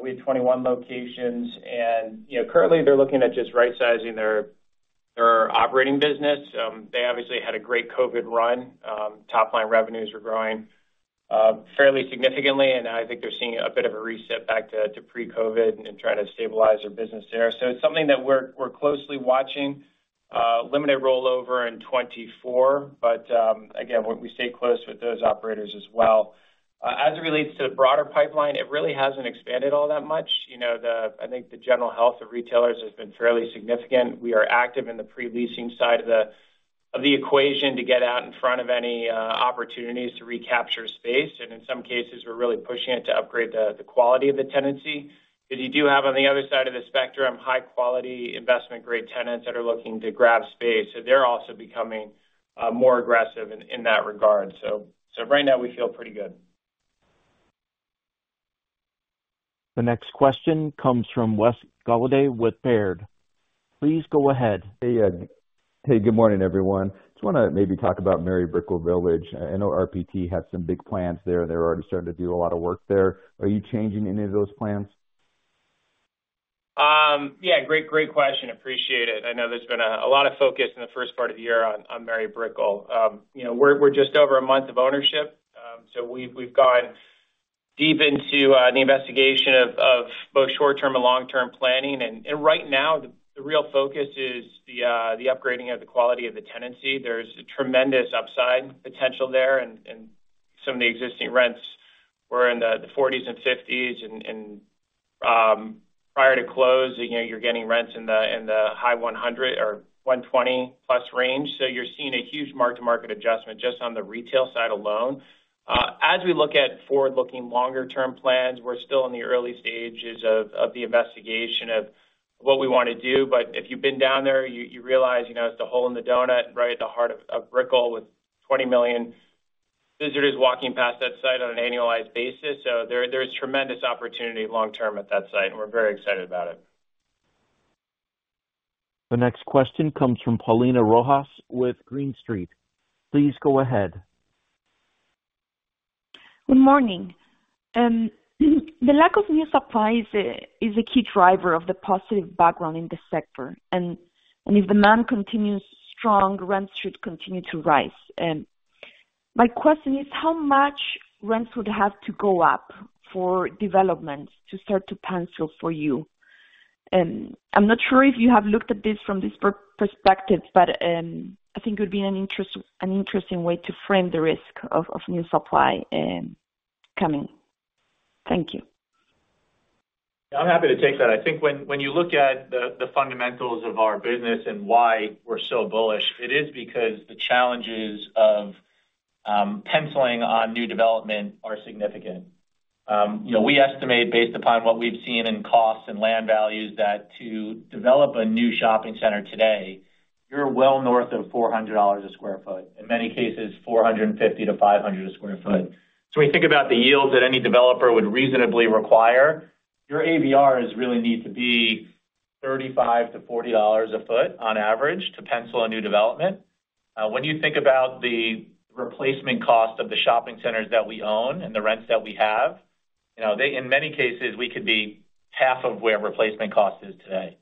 We have 21 locations and, you know, currently they're looking at just right-sizing their operating business. They obviously had a great COVID run. Top-line revenues were growing fairly significantly, and I think they're seeing a bit of a reset back to pre-COVID and trying to stabilize their business there. So it's something that we're closely watching. Limited rollover in 2024, but again, we stay close with those operators as well. As it relates to the broader pipeline, it really hasn't expanded all that much. You know, I think the general health of retailers has been fairly significant. We are active in the pre-leasing side of the equation to get out in front of any opportunities to recapture space, and in some cases, we're really pushing it to upgrade the quality of the tenancy. But you do have, on the other side of the spectrum, high-quality, investment-grade tenants that are looking to grab space, so they're also becoming more aggressive in that regard. So right now, we feel pretty good. The next question comes from Wes Golladay with Baird. Please go ahead. Hey, hey, good morning, everyone. Just wanna maybe talk about Mary Brickell Village. I know RPT has some big plans there. They're already starting to do a lot of work there. Are you changing any of those plans? Yeah, great, great question. Appreciate it. I know there's been a lot of focus in the first part of the year on Mary Brickell. You know, we're just over a month of ownership, so we've gone deep into the investigation of both short-term and long-term planning. And right now, the real focus is the upgrading of the quality of the tenancy. There's a tremendous upside potential there, and some of the existing rents—we're in the $40s and $50s, and prior to closing, you know, you're getting rents in the high $100s or $120+ range. So you're seeing a huge mark-to-market adjustment just on the retail side alone. As we look at forward-looking, longer-term plans, we're still in the early stages of the investigation of what we want to do. But if you've been down there, you realize, you know, it's the hole in the donut, right at the heart of Brickell, with 20 million visitors walking past that site on an annualized basis. So there, there's tremendous opportunity long term at that site, and we're very excited about it. The next question comes from Paulina Rojas with Green Street. Please go ahead. Good morning. The lack of new supply is a key driver of the positive background in this sector, and if demand continues strong, rents should continue to rise. My question is: how much rents would have to go up for developments to start to pencil for you? And I'm not sure if you have looked at this from this perspective, but I think it would be an interesting way to frame the risk of new supply coming. Thank you. I'm happy to take that. I think when you look at the fundamentals of our business and why we're so bullish, it is because the challenges of penciling on new development are significant. You know, we estimate, based upon what we've seen in costs and land values, that to develop a new shopping center today, you're well north of $400 a sq ft. In many cases, $450-$500 a sq ft. So when you think about the yields that any developer would reasonably require, your ABRs really need to be $35-$40 a foot on average to pencil a new development. When you think about the replacement cost of the shopping centers that we own and the rents that we have, you know, they, in many cases, we could be half of where replacement cost is today.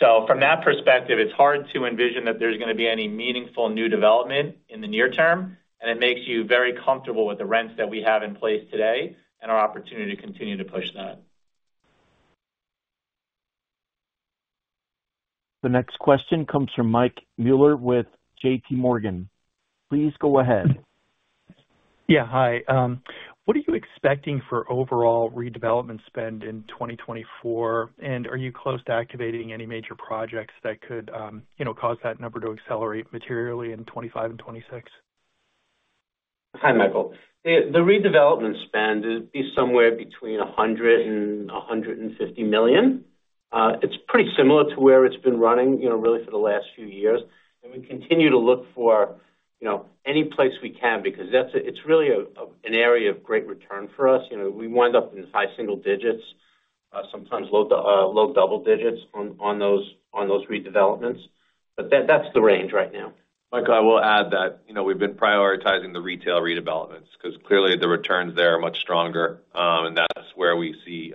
So from that perspective, it's hard to envision that there's gonna be any meaningful new development in the near term, and it makes you very comfortable with the rents that we have in place today and our opportunity to continue to push that. The next question comes from Mike Mueller with JP Morgan. Please go ahead. Yeah. Hi. What are you expecting for overall redevelopment spend in 2024? And are you close to activating any major projects that could, you know, cause that number to accelerate materially in 2025 and 2026? Hi, Michael. The redevelopment spend is somewhere between $100 million and $150 million. It's pretty similar to where it's been running, you know, really for the last few years. And we continue to look for, you know, any place we can, because that's really a, an area of great return for us. You know, we wind up in high single digits, sometimes low to low double digits on those redevelopments. But that's the range right now. Mike, I will add that, you know, we've been prioritizing the retail redevelopments, 'cause clearly the returns there are much stronger. And that's where we see,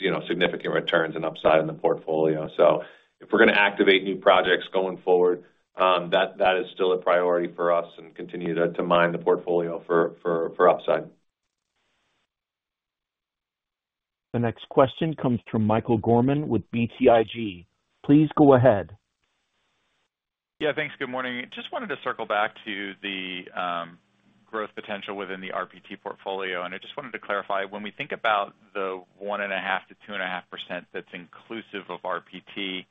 you know, significant returns and upside in the portfolio. So if we're gonna activate new projects going forward, that is still a priority for us and continue to mine the portfolio for upside. The next question comes from Michael Gorman with BTIG. Please go ahead. Yeah, thanks. Good morning. Just wanted to circle back to the growth potential within the RPT portfolio. And I just wanted to clarify, when we think about the 1.5%-2.5% that's inclusive of RPT,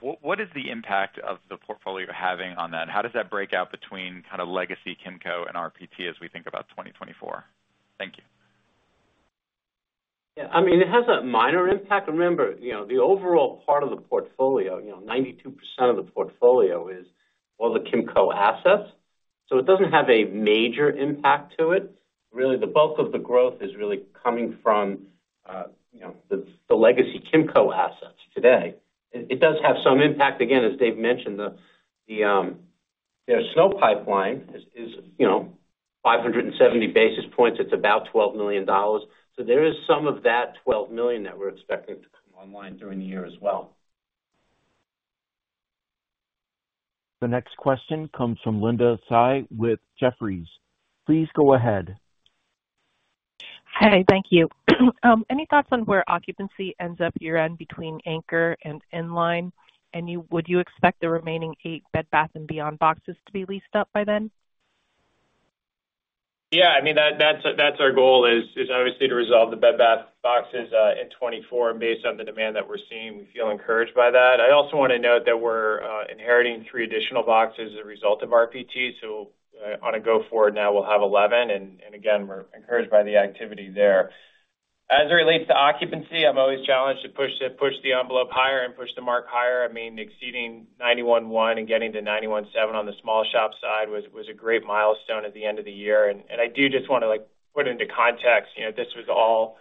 what is the impact of the portfolio having on that? How does that break out between kind of legacy Kimco and RPT as we think about 2024? Thank you. Yeah, I mean, it has a minor impact. Remember, you know, the overall part of the portfolio, you know, 92% of the portfolio is all the Kimco assets, so it doesn't have a major impact to it. Really, the bulk of the growth is really coming from, you know, the legacy Kimco assets today. It does have some impact. Again, as Dave mentioned, their SNO pipeline is, you know, 570 basis points. It's about $12 million. So there is some of that $12 million that we're expecting to come online during the year as well. The next question comes from Linda Tsai with Jefferies. Please go ahead. Hi, thank you. Any thoughts on where occupancy ends up year-end between anchor and inline, and would you expect the remaining 8 Bed Bath & Beyond boxes to be leased up by then? Yeah, I mean, that's our goal is obviously to resolve the Bed Bath boxes in 2024. And based on the demand that we're seeing, we feel encouraged by that. I also want to note that we're inheriting three additional boxes as a result of RPT. So, on a go forward now, we'll have 11, and again, we're encouraged by the activity there. As it relates to occupancy, I'm always challenged to push the envelope higher and push the mark higher. I mean, exceeding 91.1% and getting to 91.7% on the small shop side was a great milestone at the end of the year. And I do just want to, like, put into context, you know, this was all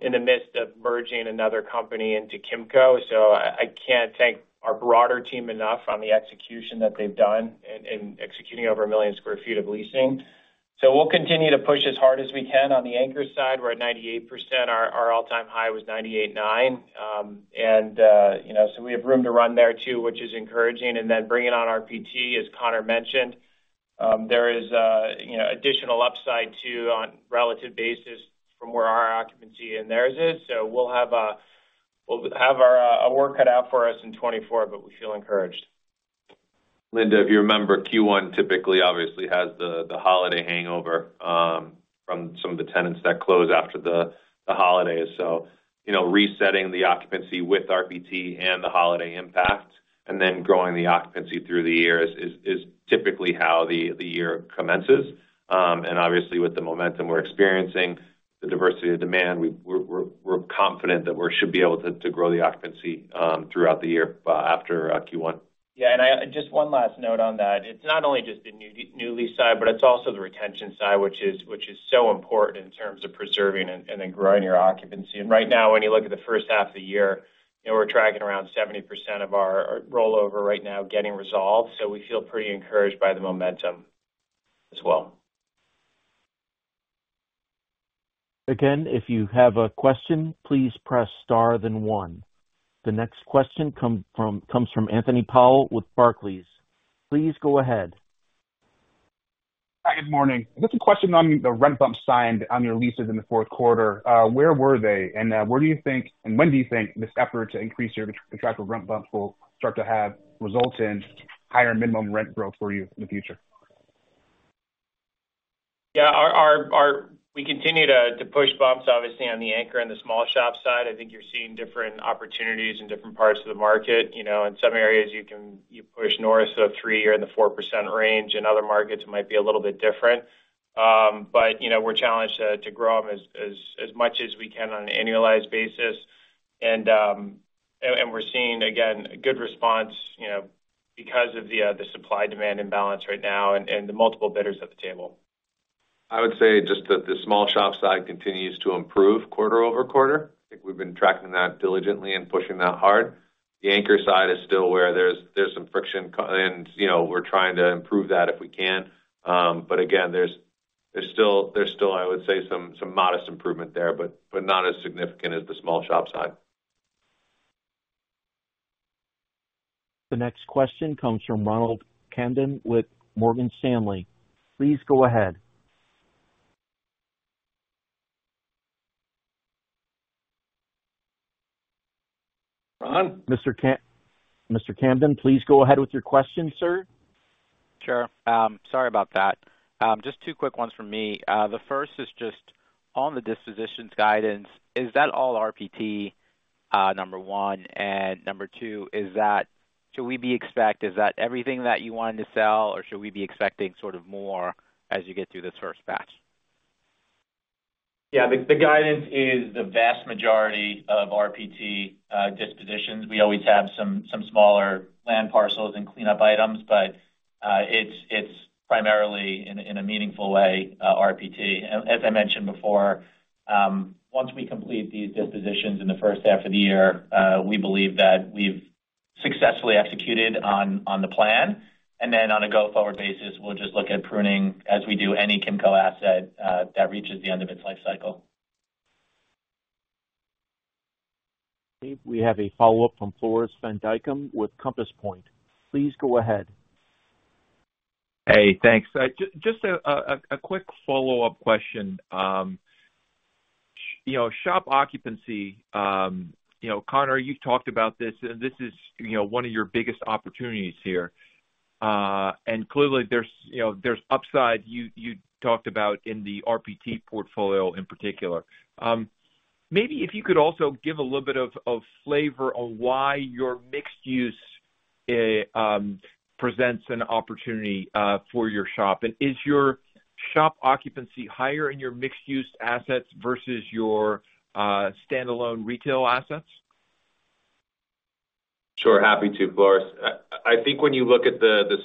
in the midst of merging another company into Kimco. So I can't thank our broader team enough on the execution that they've done in executing over 1 million sq ft of leasing. So we'll continue to push as hard as we can. On the anchor side, we're at 98%. Our all-time high was 98.9. You know, so we have room to run there, too, which is encouraging. And then bringing on RPT, as Conor mentioned, there is, you know, additional upside, too, on relative basis from where our occupancy and theirs is. So we'll have our work cut out for us in 2024, but we feel encouraged. ... Linda, if you remember, Q1 typically obviously has the holiday hangover from some of the tenants that close after the holidays. So, you know, resetting the occupancy with RPT and the holiday impact, and then growing the occupancy through the year is typically how the year commences. And obviously, with the momentum we're experiencing, the diversity of demand, we're confident that we should be able to grow the occupancy throughout the year after Q1. Yeah, and I just one last note on that. It's not only just the new lease side, but it's also the retention side, which is so important in terms of preserving and then growing your occupancy. Right now, when you look at the first half of the year, you know, we're tracking around 70% of our rollover right now getting resolved, so we feel pretty encouraged by the momentum as well. Again, if you have a question, please press star then one. The next question comes from Anthony Powell with Barclays. Please go ahead. Hi, good morning. I guess a question on the rent bumps signed on your leases in the fourth quarter. Where were they? And, where do you think, and when do you think this effort to increase your contract rent bumps will start to have results in higher minimum rent growth for you in the future? Yeah, we continue to push bumps, obviously, on the anchor and the small shop side. I think you're seeing different opportunities in different parts of the market. You know, in some areas you can push north of three or in the 4% range, in other markets it might be a little bit different. But, you know, we're challenged to grow them as much as we can on an annualized basis. And we're seeing, again, a good response, you know, because of the supply-demand imbalance right now and the multiple bidders at the table. I would say just that the small shop side continues to improve quarter over quarter. I think we've been tracking that diligently and pushing that hard. The anchor side is still where there's some friction, you know, and we're trying to improve that if we can. But again, there's still, I would say, some modest improvement there, but not as significant as the small shop side. The next question comes from Ronald Kamdem with Morgan Stanley. Please go ahead. Ron? Mr. Kamdem, please go ahead with your question, sir. Sure. Sorry about that. Just two quick ones from me. The first is just on the dispositions guidance, is that all RPT, number one? And number two, is that... is that everything that you wanted to sell, or should we be expecting sort of more as you get through this first batch? Yeah, the guidance is the vast majority of RPT dispositions. We always have some smaller land parcels and cleanup items, but it's primarily in a meaningful way RPT. As I mentioned before, once we complete these dispositions in the first half of the year, we believe that we've successfully executed on the plan. And then on a go-forward basis, we'll just look at pruning as we do any Kimco asset that reaches the end of its life cycle. We have a follow-up from Floris van Dijkum with Compass Point. Please go ahead. Hey, thanks. Just a quick follow-up question. You know, shop occupancy, you know, Conor, you've talked about this, and this is, you know, one of your biggest opportunities here. And clearly, there's, you know, there's upside you talked about in the RPT portfolio in particular. Maybe if you could also give a little bit of flavor on why your mixed use presents an opportunity for your shop. And is your shop occupancy higher in your mixed use assets versus your standalone retail assets? Sure, happy to, Floris. I think when you look at the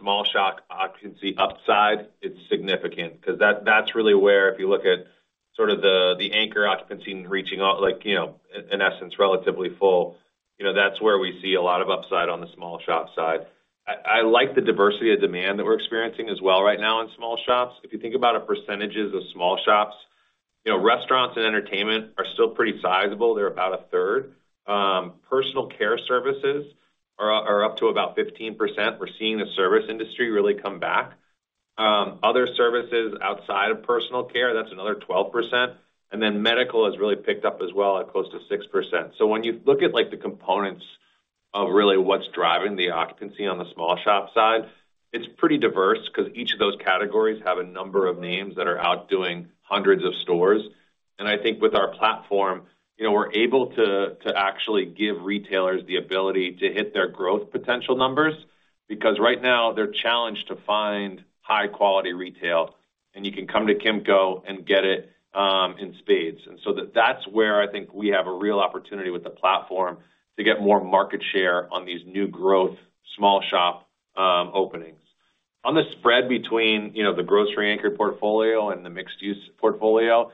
small shop occupancy upside, it's significant because that's really where, if you look at sort of the anchor occupancy reaching out, like, you know, in essence, relatively full, you know, that's where we see a lot of upside on the small shop side. I like the diversity of demand that we're experiencing as well right now in small shops. If you think about our percentages of small shops, you know, restaurants and entertainment are still pretty sizable. They're about a third. Personal care services are up to about 15%. We're seeing the service industry really come back. Other services outside of personal care, that's another 12%. And then medical has really picked up as well at close to 6%. So when you look at, like, the components of really what's driving the occupancy on the small shop side, it's pretty diverse because each of those categories have a number of names that are out doing hundreds of stores. And I think with our platform, you know, we're able to, to actually give retailers the ability to hit their growth potential numbers, because right now, they're challenged to find high-quality retail, and you can come to Kimco and get it in spades. And so that's where I think we have a real opportunity with the platform to get more market share on these new growth, small shop openings. On the spread between, you know, the grocery anchored portfolio and the mixed use portfolio,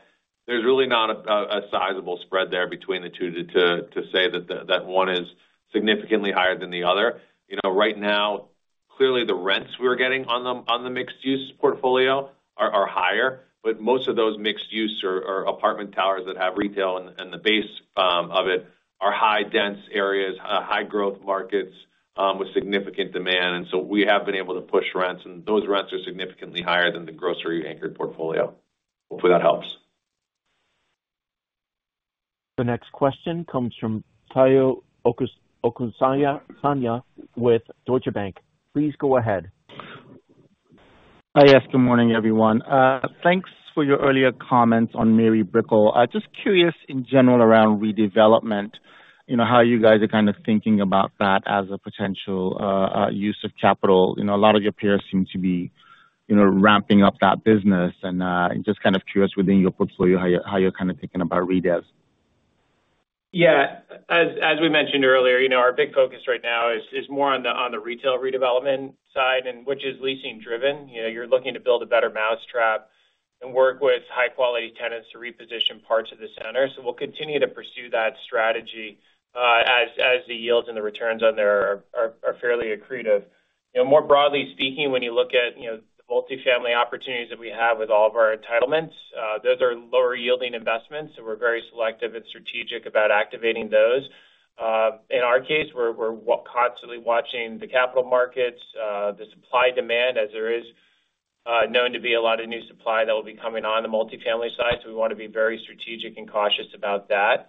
there's really not a sizable spread there between the two to say that one is significantly higher than the other. You know, right now, clearly, the rents we're getting on the mixed use portfolio are higher, but most of those mixed use or apartment towers that have retail and the base of it are high, dense areas, high growth markets, with significant demand. And so we have been able to push rents, and those rents are significantly higher than the grocery anchored portfolio. Hopefully, that helps. The next question comes from Tayo Okusanya with Deutsche Bank. Please go ahead. Hi. Yes, good morning, everyone. Thanks for your earlier comments on Mary Brickell. Just curious in general around redevelopment, you know, how you guys are kind of thinking about that as a potential use of capital. You know, a lot of your peers seem to be, you know, ramping up that business. And just kind of curious within your portfolio, how you're kind of thinking about redevs. Yeah. As we mentioned earlier, you know, our big focus right now is more on the retail redevelopment side, and which is leasing driven. You know, you're looking to build a better mousetrap and work with high-quality tenants to reposition parts of the center. So we'll continue to pursue that strategy, as the yields and the returns on there are fairly accretive. You know, more broadly speaking, when you look at, you know, the multifamily opportunities that we have with all of our entitlements, those are lower-yielding investments, so we're very selective and strategic about activating those. In our case, we're constantly watching the capital markets, the supply-demand, as there is known to be a lot of new supply that will be coming on the multifamily side, so we want to be very strategic and cautious about that.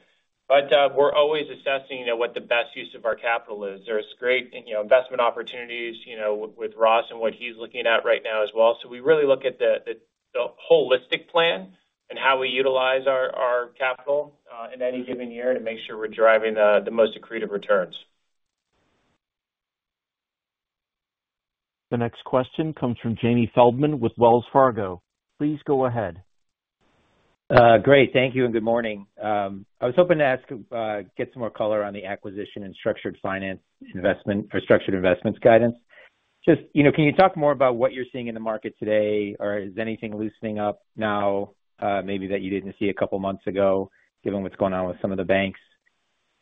But we're always assessing, you know, what the best use of our capital is. There is great, you know, investment opportunities, you know, with Ross and what he's looking at right now as well. So we really look at the holistic plan and how we utilize our capital in any given year to make sure we're driving the most accretive returns. The next question comes from Jamie Feldman with Wells Fargo. Please go ahead. Great. Thank you, and good morning. I was hoping to ask, get some more color on the acquisition and structured finance investment or structured investments guidance. Just, you know, can you talk more about what you're seeing in the market today? Or is anything loosening up now, maybe that you didn't see a couple months ago, given what's going on with some of the banks?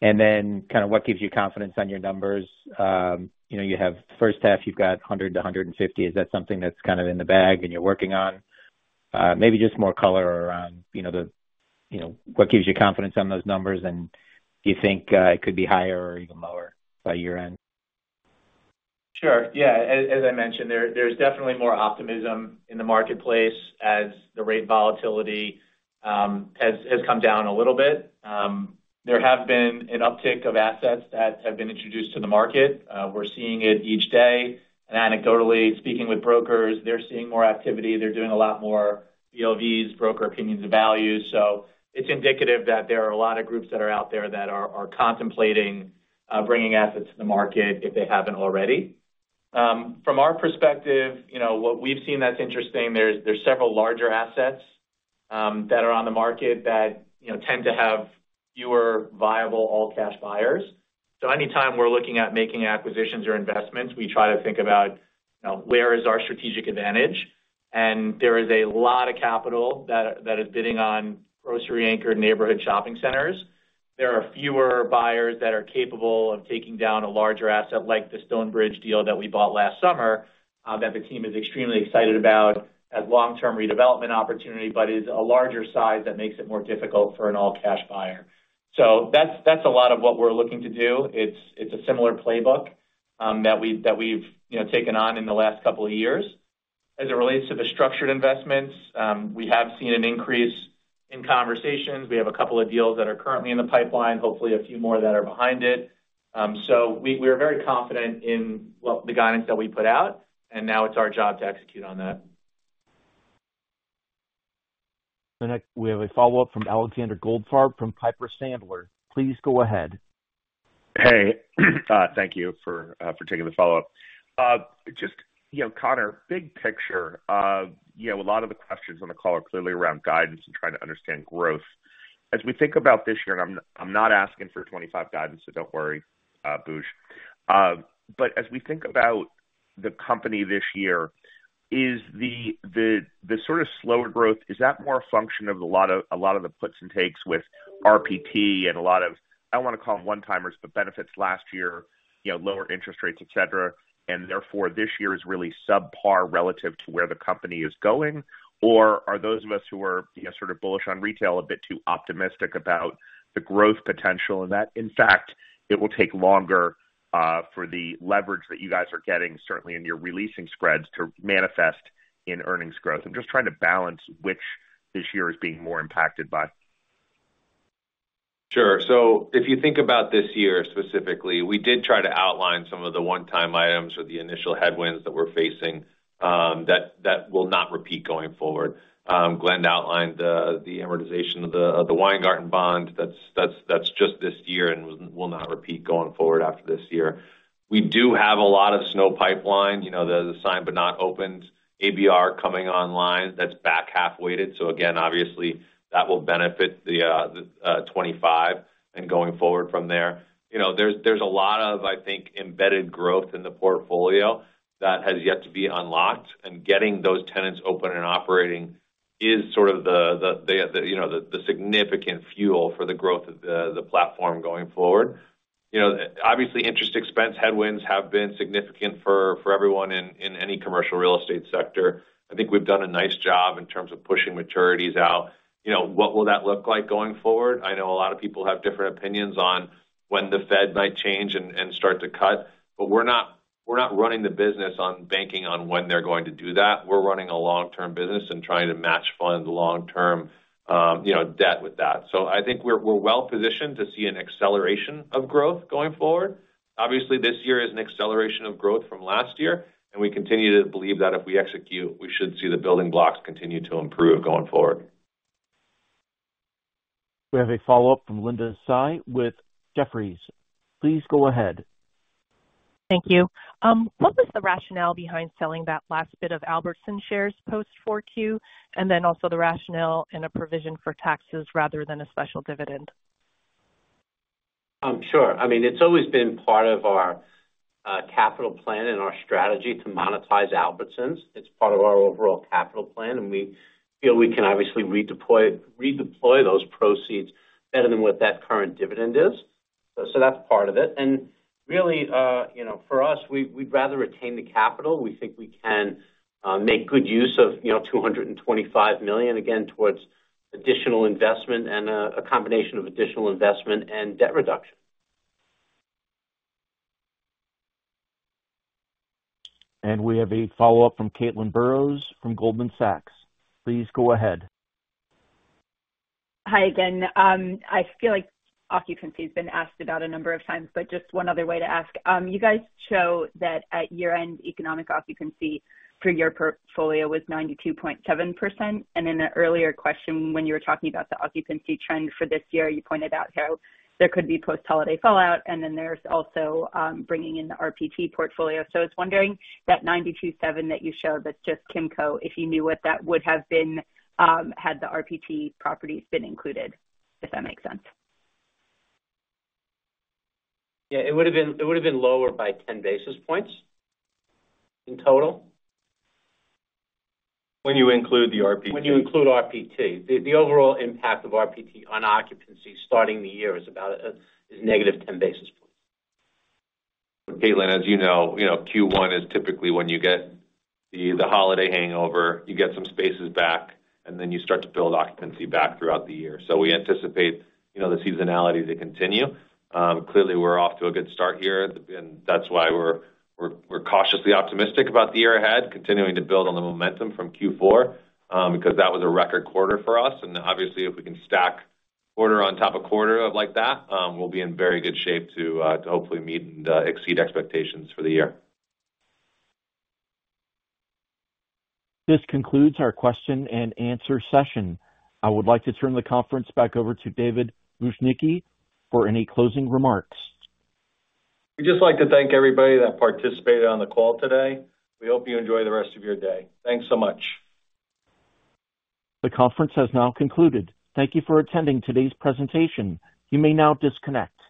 And then kind of what gives you confidence on your numbers? You know, you have first half, you've got 100 to 150. Is that something that's kind of in the bag, and you're working on? Maybe just more color around, you know, the, you know, what gives you confidence on those numbers, and do you think, it could be higher or even lower by year-end? Sure. Yeah. As I mentioned, there's definitely more optimism in the marketplace as the rate volatility has come down a little bit. There have been an uptick of assets that have been introduced to the market. We're seeing it each day, and anecdotally, speaking with brokers, they're seeing more activity. They're doing a lot more BOVs, broker opinions and values. So it's indicative that there are a lot of groups that are out there that are contemplating bringing assets to the market if they haven't already. From our perspective, you know, what we've seen that's interesting, there's several larger assets that are on the market that tend to have fewer viable all-cash buyers. So anytime we're looking at making acquisitions or investments, we try to think about, you know, where is our strategic advantage, and there is a lot of capital that, that is bidding on grocery-anchored neighborhood shopping centers. There are fewer buyers that are capable of taking down a larger asset like the Stonebridge deal that we bought last summer, that the team is extremely excited about as long-term redevelopment opportunity, but is a larger size that makes it more difficult for an all-cash buyer. So that's, that's a lot of what we're looking to do. It's, it's a similar playbook, that we, that we've, you know, taken on in the last couple of years. As it relates to the structured investments, we have seen an increase in conversations. We have a couple of deals that are currently in the pipeline, hopefully a few more that are behind it. So we are very confident in what the guidance that we put out, and now it's our job to execute on that. We have a follow-up from Alexander Goldfarb from Piper Sandler. Please go ahead. Hey, thank you for taking the follow-up. Just, you know, Conor, big picture, you know, a lot of the questions on the call are clearly around guidance and trying to understand growth. As we think about this year, and I'm not asking for 2025 guidance, so don't worry, Booch. But as we think about the company this year, is the sort of slower growth more a function of a lot of the puts and takes with RPT and a lot of... I don't want to call them one-timers, but benefits last year, you know, lower interest rates, et cetera, and therefore, this year is really subpar relative to where the company is going? Or are those of us who are, you know, sort of bullish on retail, a bit too optimistic about the growth potential and that, in fact, it will take longer for the leverage that you guys are getting, certainly in your re-leasing spreads, to manifest in earnings growth? I'm just trying to balance which this year is being more impacted by. Sure. So if you think about this year specifically, we did try to outline some of the one-time items or the initial headwinds that we're facing, that will not repeat going forward. Glenn outlined the amortization of the Weingarten bond. That's just this year and will not repeat going forward after this year. We do have a lot of SNO pipeline, you know, the signed but not opened ABR coming online. That's back half weighted, so again, obviously, that will benefit the 2025 and going forward from there. You know, there's a lot of, I think, embedded growth in the portfolio that has yet to be unlocked, and getting those tenants open and operating is sort of the significant fuel for the growth of the platform going forward. You know, obviously, interest expense headwinds have been significant for everyone in any commercial real estate sector. I think we've done a nice job in terms of pushing maturities out. You know, what will that look like going forward? I know a lot of people have different opinions on when the Fed might change and start to cut, but we're not- ... we're not running the business on banking on when they're going to do that. We're running a long-term business and trying to match fund the long-term, you know, debt with that. So I think we're well positioned to see an acceleration of growth going forward. Obviously, this year is an acceleration of growth from last year, and we continue to believe that if we execute, we should see the building blocks continue to improve going forward. We have a follow-up from Linda Tsai with Jefferies. Please go ahead. Thank you. What was the rationale behind selling that last bit of Albertsons shares post 4Q, and then also the rationale and a provision for taxes rather than a special dividend? Sure. I mean, it's always been part of our capital plan and our strategy to monetize Albertsons. It's part of our overall capital plan, and we feel we can obviously redeploy, redeploy those proceeds better than what that current dividend is. So that's part of it. And really, you know, for us, we'd, we'd rather retain the capital. We think we can make good use of, you know, $225 million, again, towards additional investment and a combination of additional investment and debt reduction. We have a follow-up from Caitlin Burrows from Goldman Sachs. Please go ahead. Hi again. I feel like occupancy has been asked about a number of times, but just one other way to ask. You guys show that at year-end, economic occupancy for your portfolio was 92.7%, and in an earlier question, when you were talking about the occupancy trend for this year, you pointed out how there could be post-holiday fallout, and then there's also bringing in the RPT portfolio. So I was wondering, that 92.7 that you showed, that's just Kimco, if you knew what that would have been had the RPT properties been included, if that makes sense. Yeah, it would've been, it would've been lower by 10 basis points in total. When you include the RPT? When you include RPT. The overall impact of RPT on occupancy starting the year is about, is negative 10 basis points. Caitlin, as you know, you know, Q1 is typically when you get the holiday hangover, you get some spaces back, and then you start to build occupancy back throughout the year. So we anticipate, you know, the seasonality to continue. Clearly, we're off to a good start here, and that's why we're cautiously optimistic about the year ahead, continuing to build on the momentum from Q4, because that was a record quarter for us. And obviously, if we can stack quarter on top of quarter like that, we'll be in very good shape to hopefully meet and exceed expectations for the year. This concludes our question and answer session. I would like to turn the conference back over to David Bujnicki for any closing remarks. We'd just like to thank everybody that participated on the call today. We hope you enjoy the rest of your day. Thanks so much. The conference has now concluded. Thank you for attending today's presentation. You may now disconnect.